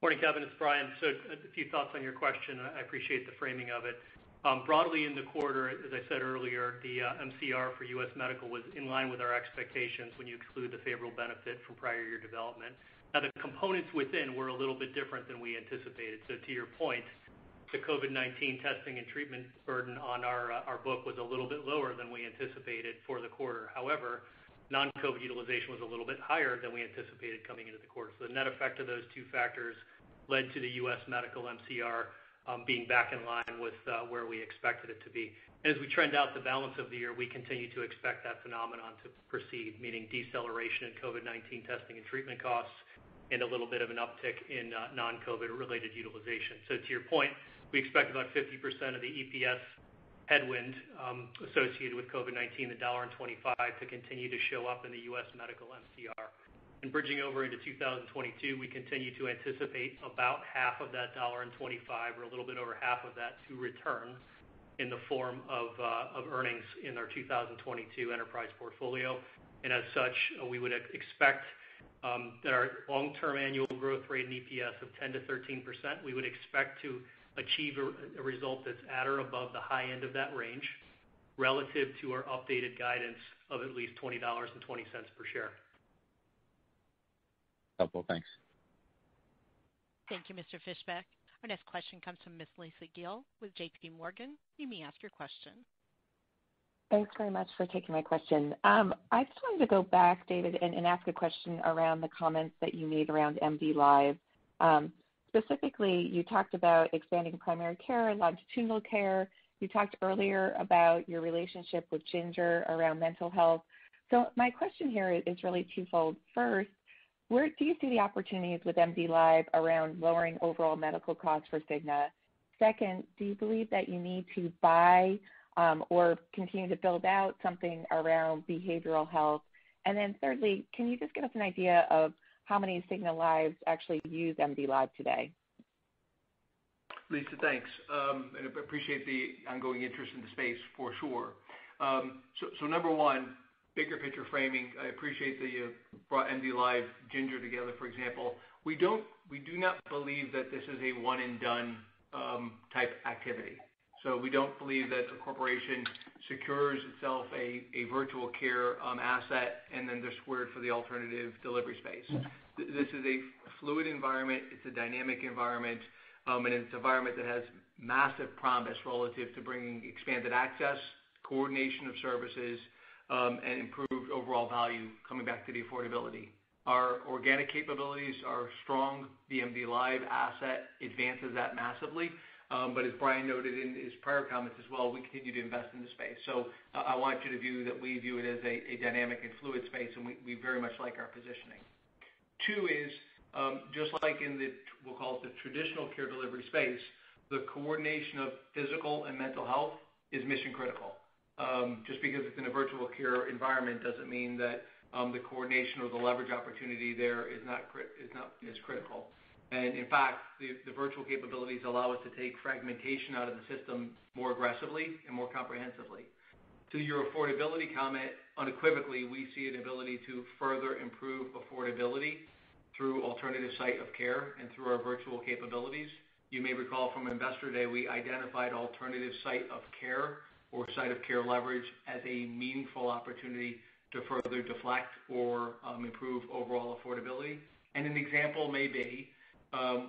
Morning, Kevin, it's Brian. A few thoughts on your question. I appreciate the framing of it. Broadly in the quarter, as I said earlier, the MCR for U.S. Medical was in line with our expectations when you exclude the favorable benefit from prior year development. The components within were a little bit different than we anticipated. To your point, the COVID-19 testing and treatment burden on our book was a little bit lower than we anticipated for the quarter. However, non-COVID utilization was a little bit higher than we anticipated coming into the quarter. The net effect of those two factors led to the U.S. Medical MCR being back in line with where we expected it to be. As we trend out the balance of the year, we continue to expect that phenomenon to proceed, meaning deceleration in COVID-19 testing and treatment costs, and a little bit of an uptick in non-COVID related utilization. To your point, we expect about 50% of the EPS headwind associated with COVID-19, the $1.25 to continue to show up in the U.S. Medical MCR. In bridging over into 2022, we continue to anticipate about half of that $1.25, or a little bit over half of that to return in the form of earnings in our 2022 enterprise portfolio. As such, we would expect that our long-term annual growth rate in EPS of 10%-13%, we would expect to achieve a result that's at or above the high end of that range, relative to our updated guidance of at least $20.20 per share. Helpful. Thanks. Thank you, Mr. Fischbeck. Our next question comes from Miss Lisa Gill with JPMorgan. You may ask your question. Thanks very much for taking my question. I just wanted to go back, David, and ask a question around the comments that you made around MDLIVE. Specifically, you talked about expanding primary care and longitudinal care. You talked earlier about your relationship with Ginger around mental health. My question here is really twofold. First, where do you see the opportunities with MDLIVE around lowering overall medical costs for Cigna? Second, do you believe that you need to buy or continue to build out something around behavioral health? Thirdly, can you just give us an idea of how many Cigna lives actually use MDLIVE today? Lisa, thanks. appreciate the ongoing interest in the space, for sure. number one, bigger picture framing. I appreciate that you brought MDLIVE, Ginger together, for example. We do not believe that this is a one and done type activity. we don't believe that the corporation secures itself a virtual care asset, and then they're squared for the alternative delivery space. This is a fluid environment, it's a dynamic environment, and it's an environment that has massive promise relative to bringing expanded access, coordination of services, and improved overall value, coming back to the affordability. Our organic capabilities are strong. The MDLIVE asset advances that massively. as Brian noted in his prior comments as well, we continue to invest in the space. I want you to view that we view it as a dynamic and fluid space, and we very much like our positioning. Two is, just like in the, we'll call it the traditional care delivery space, the coordination of physical and mental health is mission critical. Just because it's in a virtual care environment doesn't mean that the coordination or the leverage opportunity there is not as critical. in fact, the virtual capabilities allow us to take fragmentation out of the system more aggressively and more comprehensively. To your affordability comment, unequivocally, we see an ability to further improve affordability through alternative site of care and through our virtual capabilities. You may recall from Investor Day, we identified alternative site of care or site of care leverage as a meaningful opportunity to further deflect or improve overall affordability. an example may be,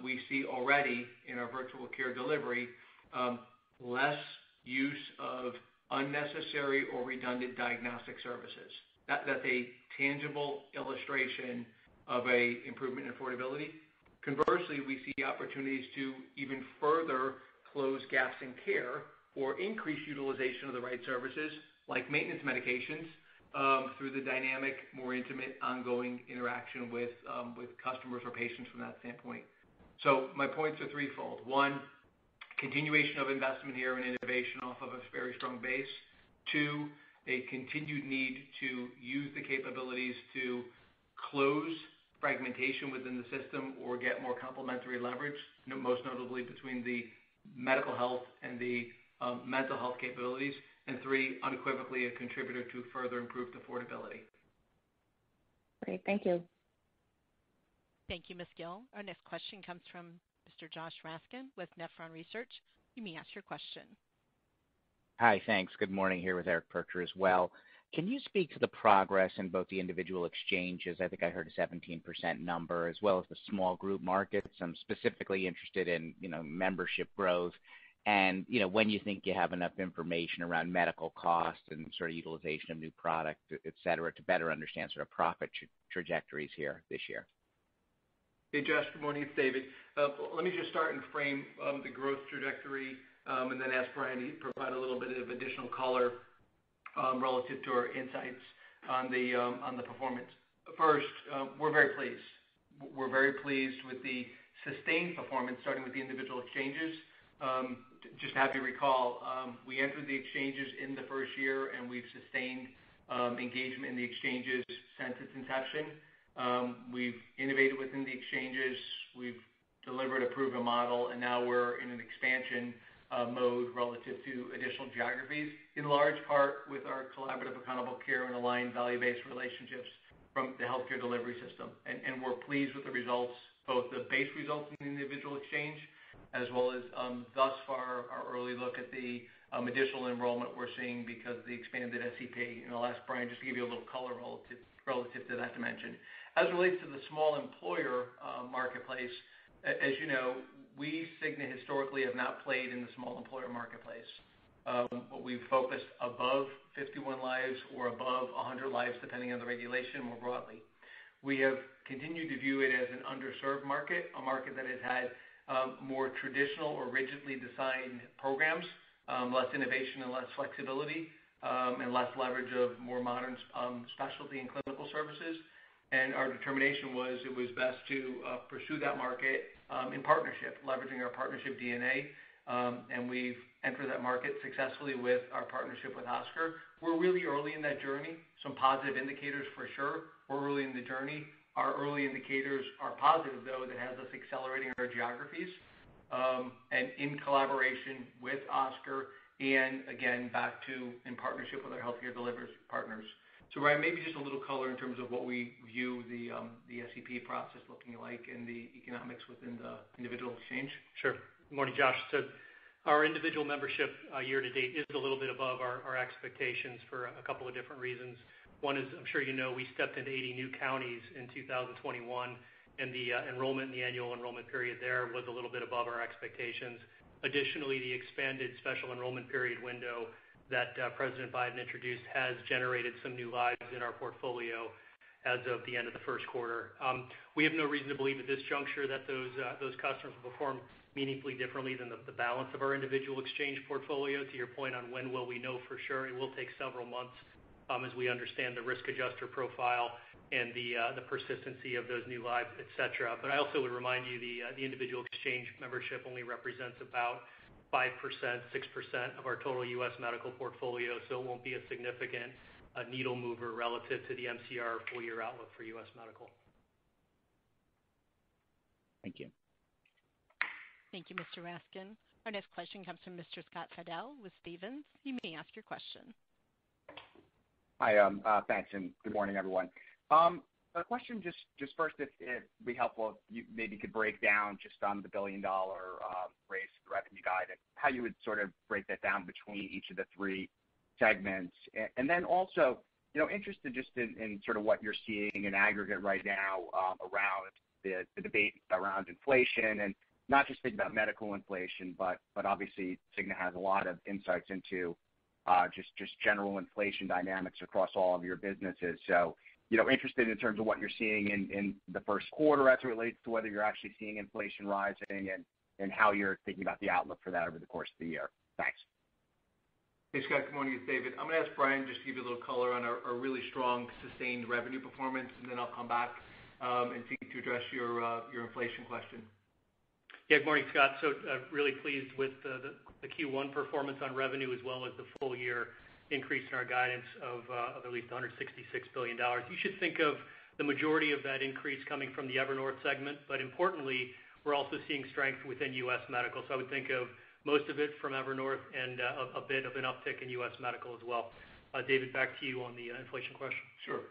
we see already in our virtual care delivery, less use of unnecessary or redundant diagnostic services. That's a tangible illustration of an improvement in affordability. Conversely, we see opportunities to even further close gaps in care or increase utilization of the right services, like maintenance medications, through the dynamic, more intimate, ongoing interaction with customers or patients from that standpoint. My points are threefold. One, continuation of investment here and innovation off of a very strong base. Two, a continued need to use the capabilities to close fragmentation within the system or get more complementary leverage, most notably between the medical health and the mental health capabilities. Three, unequivocally a contributor to further improved affordability. Great. Thank you. Thank you, Ms. Gill. Our next question comes from Mr. Josh Raskin with Nephron Research. You may ask your question. Hi, thanks. Good morning here with Eric Percher as well. Can you speak to the progress in both the individual exchanges, I think I heard a 17% number, as well as the small group markets? I'm specifically interested in membership growth, and when you think you have enough information around medical costs and sort of utilization of new product, et cetera, to better understand sort of profit trajectories here this year. Hey, Josh. Good morning. It's David. Let me just start and frame the growth trajectory, and then ask Brian to provide a little bit of additional color relative to our insights on the performance. First, we're very pleased with the sustained performance, starting with the individual exchanges. Just happy to recall, we entered the exchanges in the first year, and we've sustained engagement in the exchanges since its inception. We've innovated within the exchanges. We've delivered a proven model, and now we're in an expansion mode relative to additional geographies, in large part with our collaborative accountable care and aligned value-based relationships from the healthcare delivery system. We're pleased with the results, both the base results in the individual exchange, as well as thus far, our early look at the additional enrollment we're seeing because of the expanded SEP. I'll ask Brian just to give you a little color relative to that dimension. As it relates to the small employer marketplace, as you know, we, Cigna, historically have not played in the small employer marketplace. We've focused above 51 lives or above 100 lives, depending on the regulation more broadly. We have continued to view it as an underserved market, a market that has had more traditional or rigidly designed programs, less innovation and less flexibility, and less leverage of more modern specialty and clinical services. Our determination was it was best to pursue that market in partnership, leveraging our partnership DNA. We've entered that market successfully with our partnership with Oscar. We're really early in that journey. Some positive indicators for sure. We're early in the journey. Our early indicators are positive, though, that has us accelerating our geographies, and in collaboration with Oscar, and again, back to in partnership with our healthcare delivery partners. Brian, maybe just a little color in terms of what we view the SEP process looking like and the economics within the individual exchange. Sure. Good morning, Josh. Our individual membership year to date is a little bit above our expectations for a couple of different reasons. One is, I'm sure you know, we stepped into 80 new counties in 2021, and the enrollment in the annual enrollment period there was a little bit above our expectations. Additionally, the expanded special enrollment period window that President Biden introduced has generated some new lives in our portfolio as of the end of the first quarter. We have no reason to believe at this juncture that those customers will perform meaningfully differently than the balance of our individual exchange portfolio. To your point on when will we know for sure, it will take several months as we understand the risk adjuster profile and the persistency of those new lives, et cetera. I also would remind you, the individual exchange membership only represents about 5%, 6% of our total U.S. medical portfolio, so it won't be a significant needle mover relative to the MCR full-year outlook for U.S. medical. Thank you. Thank you, Mr. Raskin. Our next question comes from Mr. Scott Fidel with Stephens. You may ask your question. Hi, thanks. Good morning, everyone. A question just first, it'd be helpful if you maybe could break down just on the billion-dollar raise for the revenue guidance, how you would sort of break that down between each of the three segments. Also, interested just in sort of what you're seeing in aggregate right now around the debate around inflation and not just thinking about medical inflation, but obviously Cigna has a lot of insights into just general inflation dynamics across all of your businesses. Interested in terms of what you're seeing in the first quarter as it relates to whether you're actually seeing inflation rising and how you're thinking about the outlook for that over the course of the year. Thanks. Hey, Scott. Good morning. It's David. I'm going to ask Brian just to give you a little color on our really strong sustained revenue performance, and then I'll come back and seek to address your inflation question. Yeah. Good morning, Scott. Really pleased with the Q1 performance on revenue as well as the full-year increase in our guidance of at least $166 billion. You should think of the majority of that increase coming from the Evernorth segment. Importantly, we're also seeing strength within U.S. Medical. I would think of most of it from Evernorth and a bit of an uptick in U.S. Medical as well. David, back to you on the inflation question. Sure.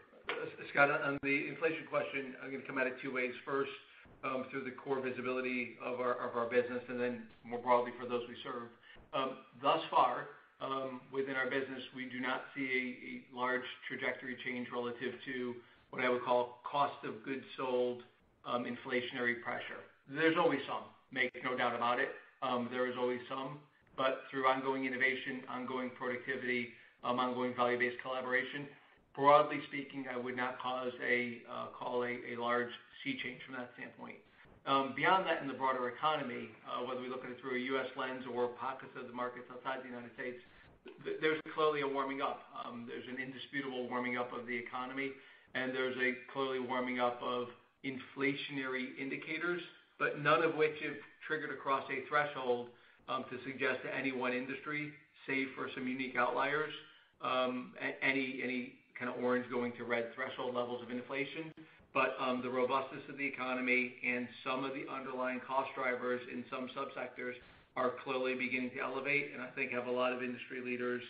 Scott, on the inflation question, I'm going to come at it two ways. First, through the core visibility of our business and then more broadly for those we serve. Thus far within our business, we do not see a large trajectory change relative to what I would call cost of goods sold inflationary pressure. There's always some, make no doubt about it. There is always some. Through ongoing innovation, ongoing productivity, ongoing value-based collaboration, broadly speaking, I would not call a large sea change from that standpoint. Beyond that in the broader economy, whether we look at it through a U.S. lens or pockets of the markets outside the United States, there's clearly a warming up. There's an indisputable warming up of the economy, and there's a clearly warming up of inflationary indicators, but none of which have triggered across a threshold to suggest to any one industry, save for some unique outliers, any kind of orange going to red threshold levels of inflation. The robustness of the economy and some of the underlying cost drivers in some subsectors are clearly beginning to elevate, and I think have a lot of industry leaders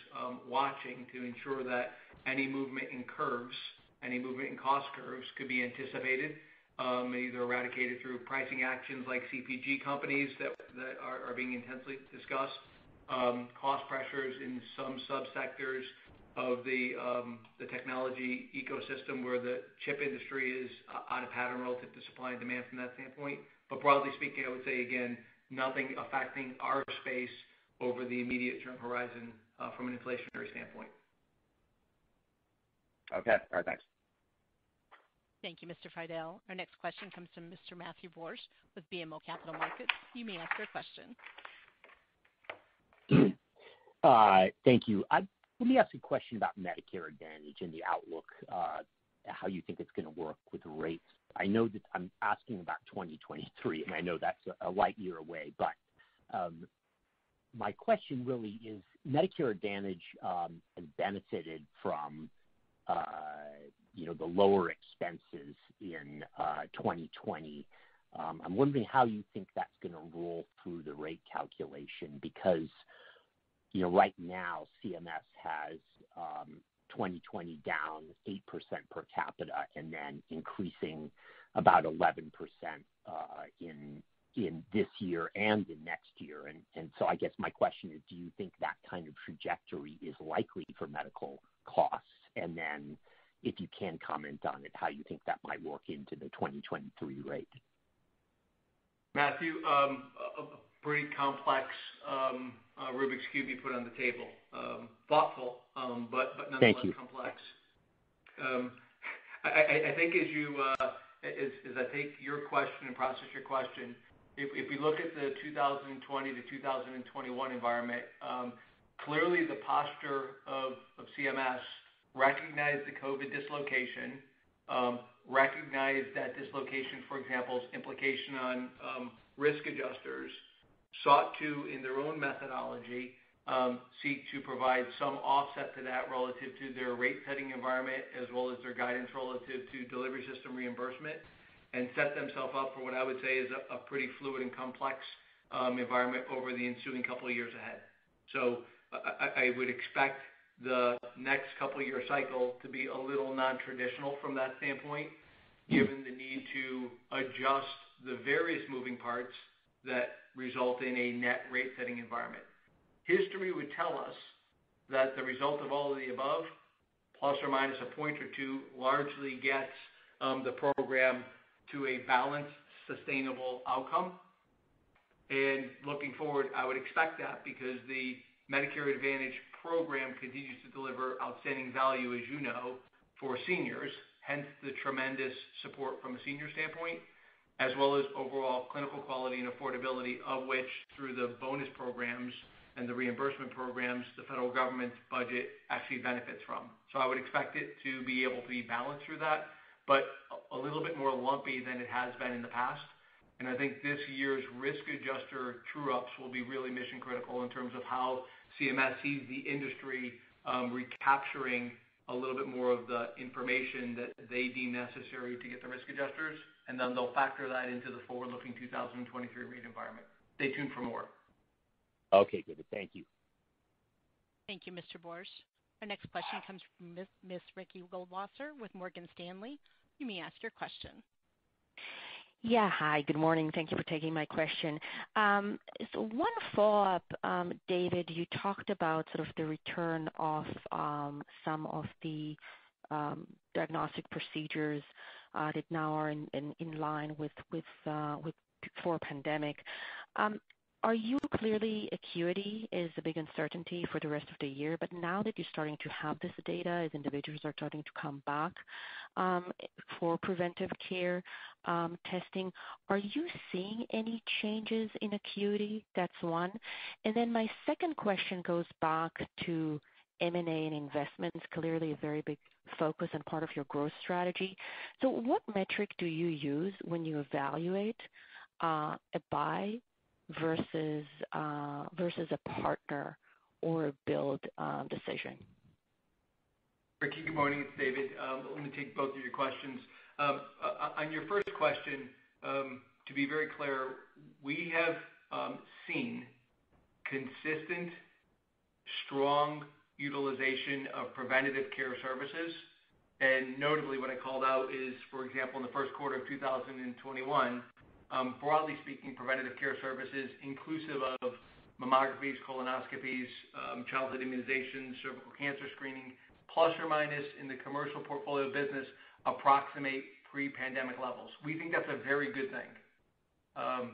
watching to ensure that any movement in curves, any movement in cost curves could be anticipated, either eradicated through pricing actions like CPG companies that are being intensely discussed. Cost pressures in some subsectors of the technology ecosystem where the chip industry is out of pattern relative to supply and demand from that standpoint. Broadly speaking, I would say again, nothing affecting our space over the immediate term horizon from an inflationary standpoint. Okay. All right. Thanks. Thank you, Mr. Fidel. Our next question comes from Mr. Matthew Borsch with BMO Capital Markets. You may ask your question. Thank you. Let me ask a question about Medicare Advantage and the outlook, how you think it's going to work with rates. I know that I'm asking about 2023, and I know that's a light year away, but my question really is Medicare Advantage has benefited from the lower expenses in 2020. I'm wondering how you think that's going to roll through the rate calculation, because right now CMS has 2020 down 8% per capita and then increasing about 11% in this year and in next year. I guess my question is, do you think that kind of trajectory is likely for medical costs? If you can comment on it, how you think that might work into the 2023 rate. Matthew, a pretty complex Rubik's Cube you put on the table. Thoughtful, but nonetheless complex. Thank you. I think as I take your question and process your question, if we look at the 2020 to 2021 environment, clearly the posture of CMS recognized the COVID dislocation, recognized that dislocation, for example, implication on risk adjusters, sought to, in their own methodology, seek to provide some offset to that relative to their rate setting environment as well as their guidance relative to delivery system reimbursement and set themselves up for what I would say is a pretty fluid and complex environment over the ensuing couple of years ahead. I would expect the next couple year cycle to be a little nontraditional from that standpoint, given the need to adjust the various moving parts that result in a net rate setting environment. History would tell us that the result of all of the above, plus or minus a point or two, largely gets the program to a balanced, sustainable outcome. Looking forward, I would expect that because the Medicare Advantage program continues to deliver outstanding value, as you know, for seniors, hence the tremendous support from a senior standpoint, as well as overall clinical quality and affordability of which through the bonus programs and the reimbursement programs, the federal government's budget actually benefits from. I would expect it to be able to be balanced through that, but a little bit more lumpy than it has been in the past. I think this year's risk adjuster true-ups will be really mission critical in terms of how CMS sees the industry recapturing a little bit more of the information that they deem necessary to get the risk adjusters, and then they'll factor that into the forward-looking 2023 rate environment. Stay tuned for more. Okay, good. Thank you. Thank you, Mr. Borsch. Our next question comes from Miss Ricky Goldwasser with Morgan Stanley. You may ask your question. Yeah, hi. Good morning. Thank you for taking my question. One follow-up, David, you talked about sort of the return of some of the diagnostic procedures that now are in line with before pandemic. Clearly acuity is a big uncertainty for the rest of the year, but now that you're starting to have this data, as individuals are starting to come back for preventive care testing, are you seeing any changes in acuity? That's one. My second question goes back to M&A and investments. Clearly a very big focus and part of your growth strategy. What metric do you use when you evaluate a buy versus a partner or a build decision? Ricky, good morning. It's David. Let me take both of your questions. On your first question, to be very clear, we have seen consistent, strong utilization of preventative care services. Notably what I called out is, for example, in the first quarter of 2021, broadly speaking, preventative care services inclusive of mammographies, colonoscopies, childhood immunizations, cervical cancer screening, plus or minus in the commercial portfolio business, approximate pre-pandemic levels. We think that's a very good thing.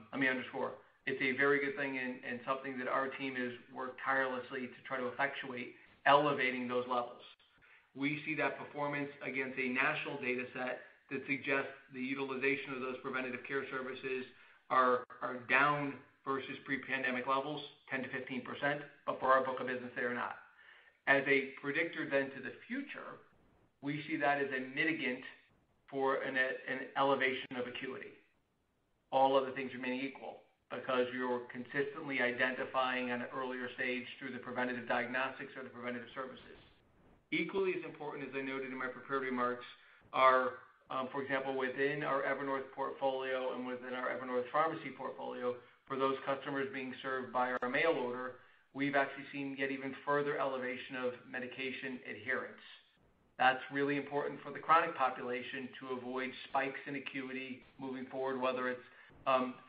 Let me underscore, it's a very good thing and something that our team has worked tirelessly to try to effectuate elevating those levels. We see that performance against a national data set that suggests the utilization of those preventative care services are down versus pre-pandemic levels 10%-15%, but for our book of business, they are not. As a predictor then to the future, we see that as a mitigant for an elevation of acuity. All other things remaining equal, because you're consistently identifying at an earlier stage through the preventative diagnostics or the preventative services. Equally as important as I noted in my prepared remarks are, for example, within our Evernorth portfolio and within our Evernorth pharmacy portfolio, for those customers being served by our mail order, we've actually seen yet even further elevation of medication adherence. That's really important for the chronic population to avoid spikes in acuity moving forward, whether it's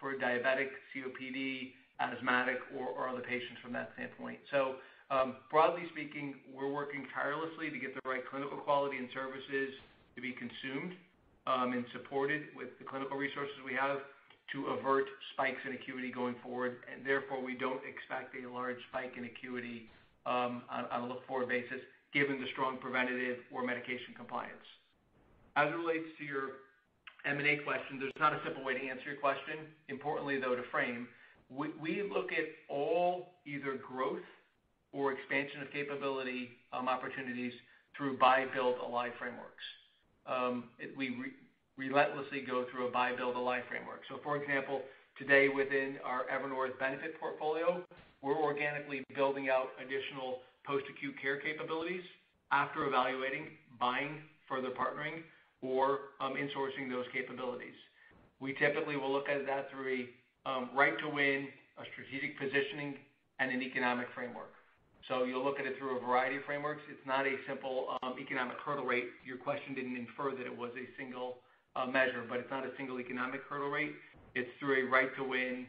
for a diabetic, COPD, asthmatic, or other patients from that standpoint. Broadly speaking, we're working tirelessly to get the right clinical quality and services to be consumed. Supported with the clinical resources we have to avert spikes in acuity going forward. therefore, we don't expect a large spike in acuity on a look-forward basis, given the strong preventative or medication compliance. As it relates to your M&A question, there's not a simple way to answer your question. Importantly, though, to frame, we look at all either growth or expansion of capability opportunities through buy, build, ally frameworks. We relentlessly go through a buy, build, ally framework. for example, today within our Evernorth benefit portfolio, we're organically building out additional post-acute care capabilities after evaluating, buying, further partnering, or insourcing those capabilities. We typically will look at that through a right to win, a strategic positioning, and an economic framework. you'll look at it through a variety of frameworks. It's not a simple economic hurdle rate. Your question didn't infer that it was a single measure, but it's not a single economic hurdle rate. It's through a right to win,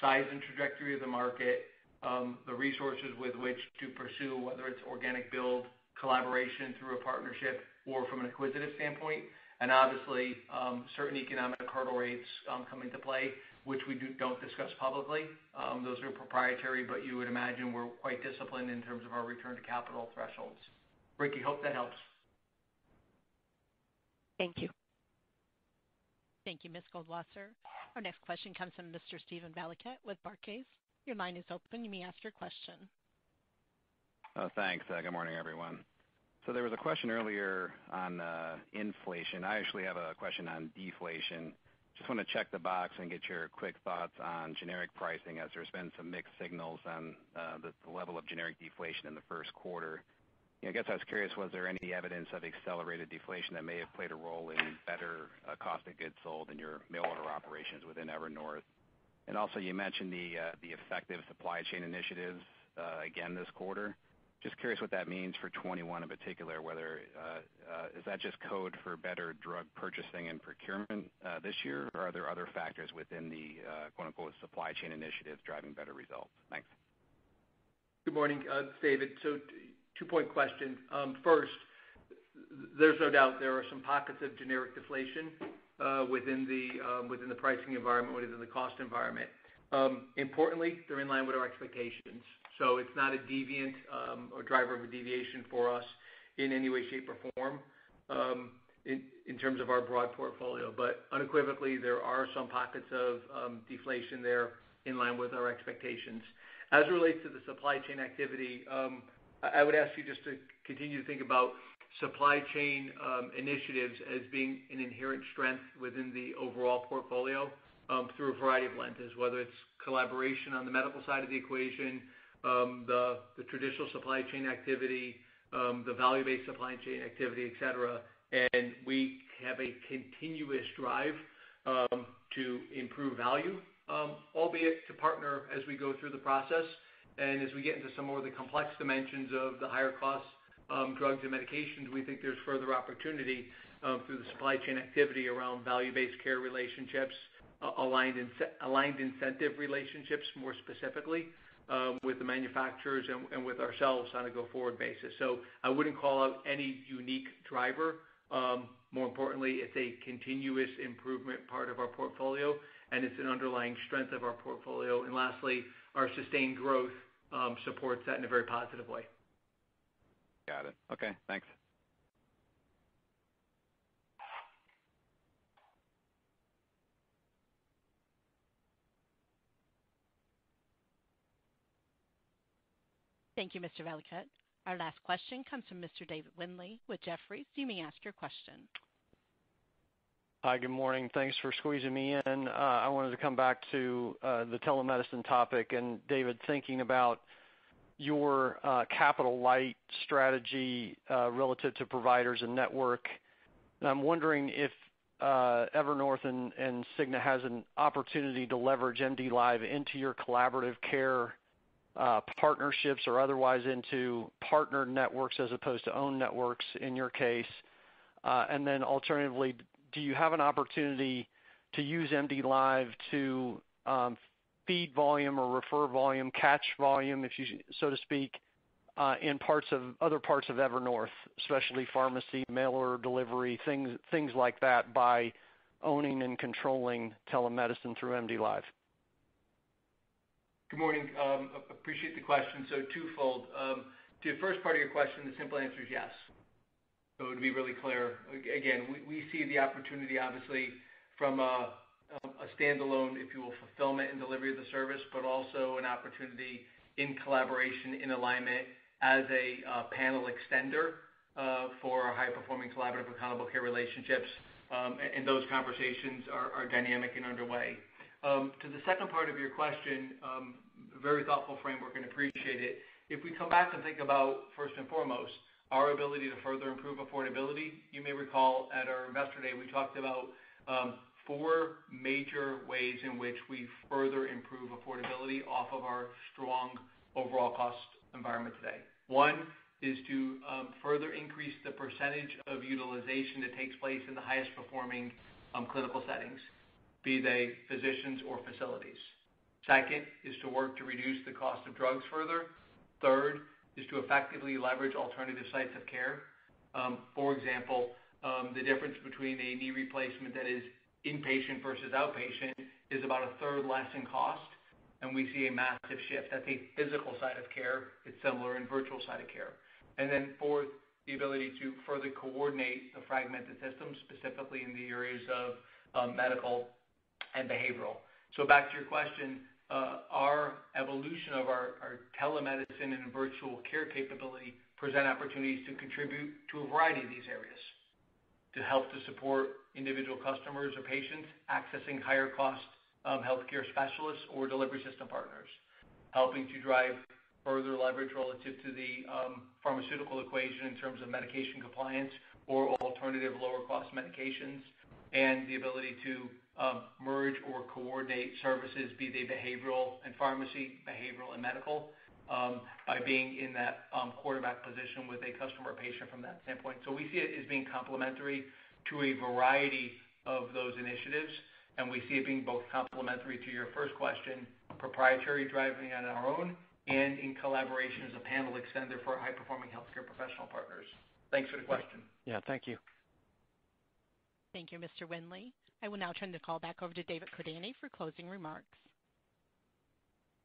size, and trajectory of the market, the resources with which to pursue, whether it's organic build, collaboration through a partnership, or from an acquisitive standpoint. Obviously, certain economic hurdle rates come into play, which we don't discuss publicly. Those are proprietary, but you would imagine we're quite disciplined in terms of our return to capital thresholds. Ricky, hope that helps. Thank you. Thank you, Ms. Goldwasser. Our next question comes from Mr. Steven Valiquette with Barclays. Your line is open. You may ask your question. Thanks. Good morning, everyone. There was a question earlier on inflation. I actually have a question on deflation. Just want to check the box and get your quick thoughts on generic pricing, as there's been some mixed signals on the level of generic deflation in the first quarter. I guess I was curious, was there any evidence of accelerated deflation that may have played a role in better cost of goods sold in your mail order operations within Evernorth? also, you mentioned the effective supply chain initiatives again this quarter. Just curious what that means for '21 in particular, whether is that just code for better drug purchasing and procurement this year, or are there other factors within the "supply chain initiatives" driving better results? Thanks. Good morning, David. Two-point question. First, there's no doubt there are some pockets of generic deflation within the pricing environment, within the cost environment. Importantly, they're in line with our expectations, so it's not a driver of a deviation for us in any way, shape, or form, in terms of our broad portfolio. Unequivocally, there are some pockets of deflation there in line with our expectations. As it relates to the supply chain activity, I would ask you just to continue to think about supply chain initiatives as being an inherent strength within the overall portfolio through a variety of lenses, whether it's collaboration on the medical side of the equation, the traditional supply chain activity, the value-based supply chain activity, et cetera. We have a continuous drive to improve value, albeit to partner as we go through the process. as we get into some more of the complex dimensions of the higher cost drugs and medications, we think there's further opportunity through the supply chain activity around value-based care relationships, aligned incentive relationships, more specifically, with the manufacturers, and with ourselves on a go-forward basis. I wouldn't call out any unique driver. More importantly, it's a continuous improvement part of our portfolio, and it's an underlying strength of our portfolio. lastly, our sustained growth supports that in a very positive way. Got it. Okay, thanks. Thank you, Mr. Valiquette. Our last question comes from Mr. David Windley with Jefferies. You may ask your question. Hi, good morning. Thanks for squeezing me in. I wanted to come back to the telemedicine topic. David, thinking about your capital light strategy relative to providers and network, I'm wondering if Evernorth and Cigna has an opportunity to leverage MDLIVE into your collaborative care partnerships or otherwise into partner networks as opposed to own networks in your case. Alternatively, do you have an opportunity to use MDLIVE to feed volume or refer volume, catch volume, so to speak, in other parts of Evernorth, especially pharmacy, mail order delivery, things like that by owning and controlling telemedicine through MDLIVE? Good morning. Appreciate the question. Twofold. To the first part of your question, the simple answer is yes. It would be really clear. Again, we see the opportunity obviously from a standalone, if you will, fulfillment and delivery of the service, but also an opportunity in collaboration, in alignment as a panel extender for our high-performing collaborative accountable care relationships. Those conversations are dynamic and underway. To the second part of your question, very thoughtful framework, and appreciate it. If we come back and think about, first and foremost, our ability to further improve affordability, you may recall at our investor day, we talked about four major ways in which we further improve affordability off of our strong overall cost environment today. One is to further increase the percentage of utilization that takes place in the highest performing clinical settings, be they physicians or facilities. Second is to work to reduce the cost of drugs further. Third is to effectively leverage alternative sites of care. For example, the difference between a knee replacement that is inpatient versus outpatient is about a third less in cost, and we see a massive shift. That's a physical site of care. It's similar in virtual site of care. fourth, the ability to further coordinate the fragmented system, specifically in the areas of medical and behavioral. back to your question, our evolution of our telemedicine and virtual care capability present opportunities to contribute to a variety of these areas to help to support individual customers or patients accessing higher cost healthcare specialists or delivery system partners. Helping to drive further leverage relative to the pharmaceutical equation in terms of medication compliance or alternative lower cost medications, and the ability to merge or coordinate services, be they behavioral and pharmacy, behavioral and medical, by being in that quarterback position with a customer or patient from that standpoint. We see it as being complementary to a variety of those initiatives, and we see it being both complementary to your first question, proprietary driving it on our own, and in collaboration as a panel extender for our high-performing healthcare professional partners. Thanks for the question. Yeah, thank you. Thank you, Mr. Windley. I will now turn the call back over to David Cordani for closing remarks.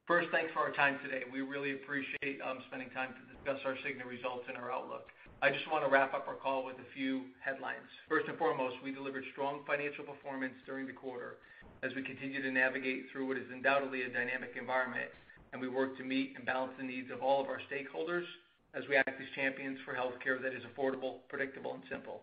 First, thanks for our time today. We really appreciate spending time to discuss our Cigna results and our outlook. I just want to wrap up our call with a few headlines. First and foremost, we delivered strong financial performance during the quarter as we continue to navigate through what is undoubtedly a dynamic environment, and we work to meet and balance the needs of all of our stakeholders as we act as champions for healthcare that is affordable, predictable, and simple.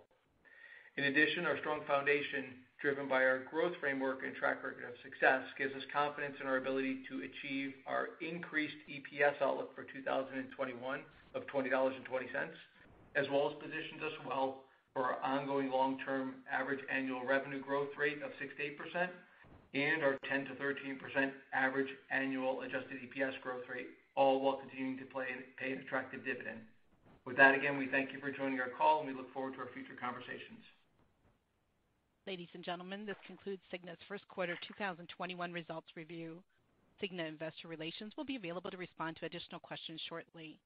In addition, our strong foundation, driven by our growth framework and track record of success, gives us confidence in our ability to achieve our increased EPS outlook for 2021 of $20.20, as well as positions us well for our ongoing long-term average annual revenue growth rate of six to 8%, and our 10 to 13% average annual adjusted EPS growth rate, all while continuing to pay a attractive dividend. With that, again, we thank you for joining our call, and we look forward to our future conversations. Ladies and gentlemen, this concludes Cigna's first quarter 2021 results review. Cigna Investor Relations will be available to respond to additional questions shortly.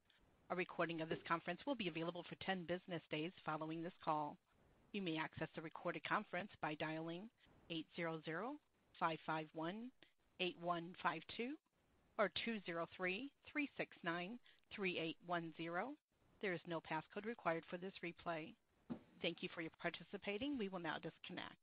A recording of this conference will be available for 10 business days following this call. You may access the recorded conference by dialing 800-551-8152 or 203-369-3810. There is no passcode required for this replay. Thank you for your participating. We will now disconnect.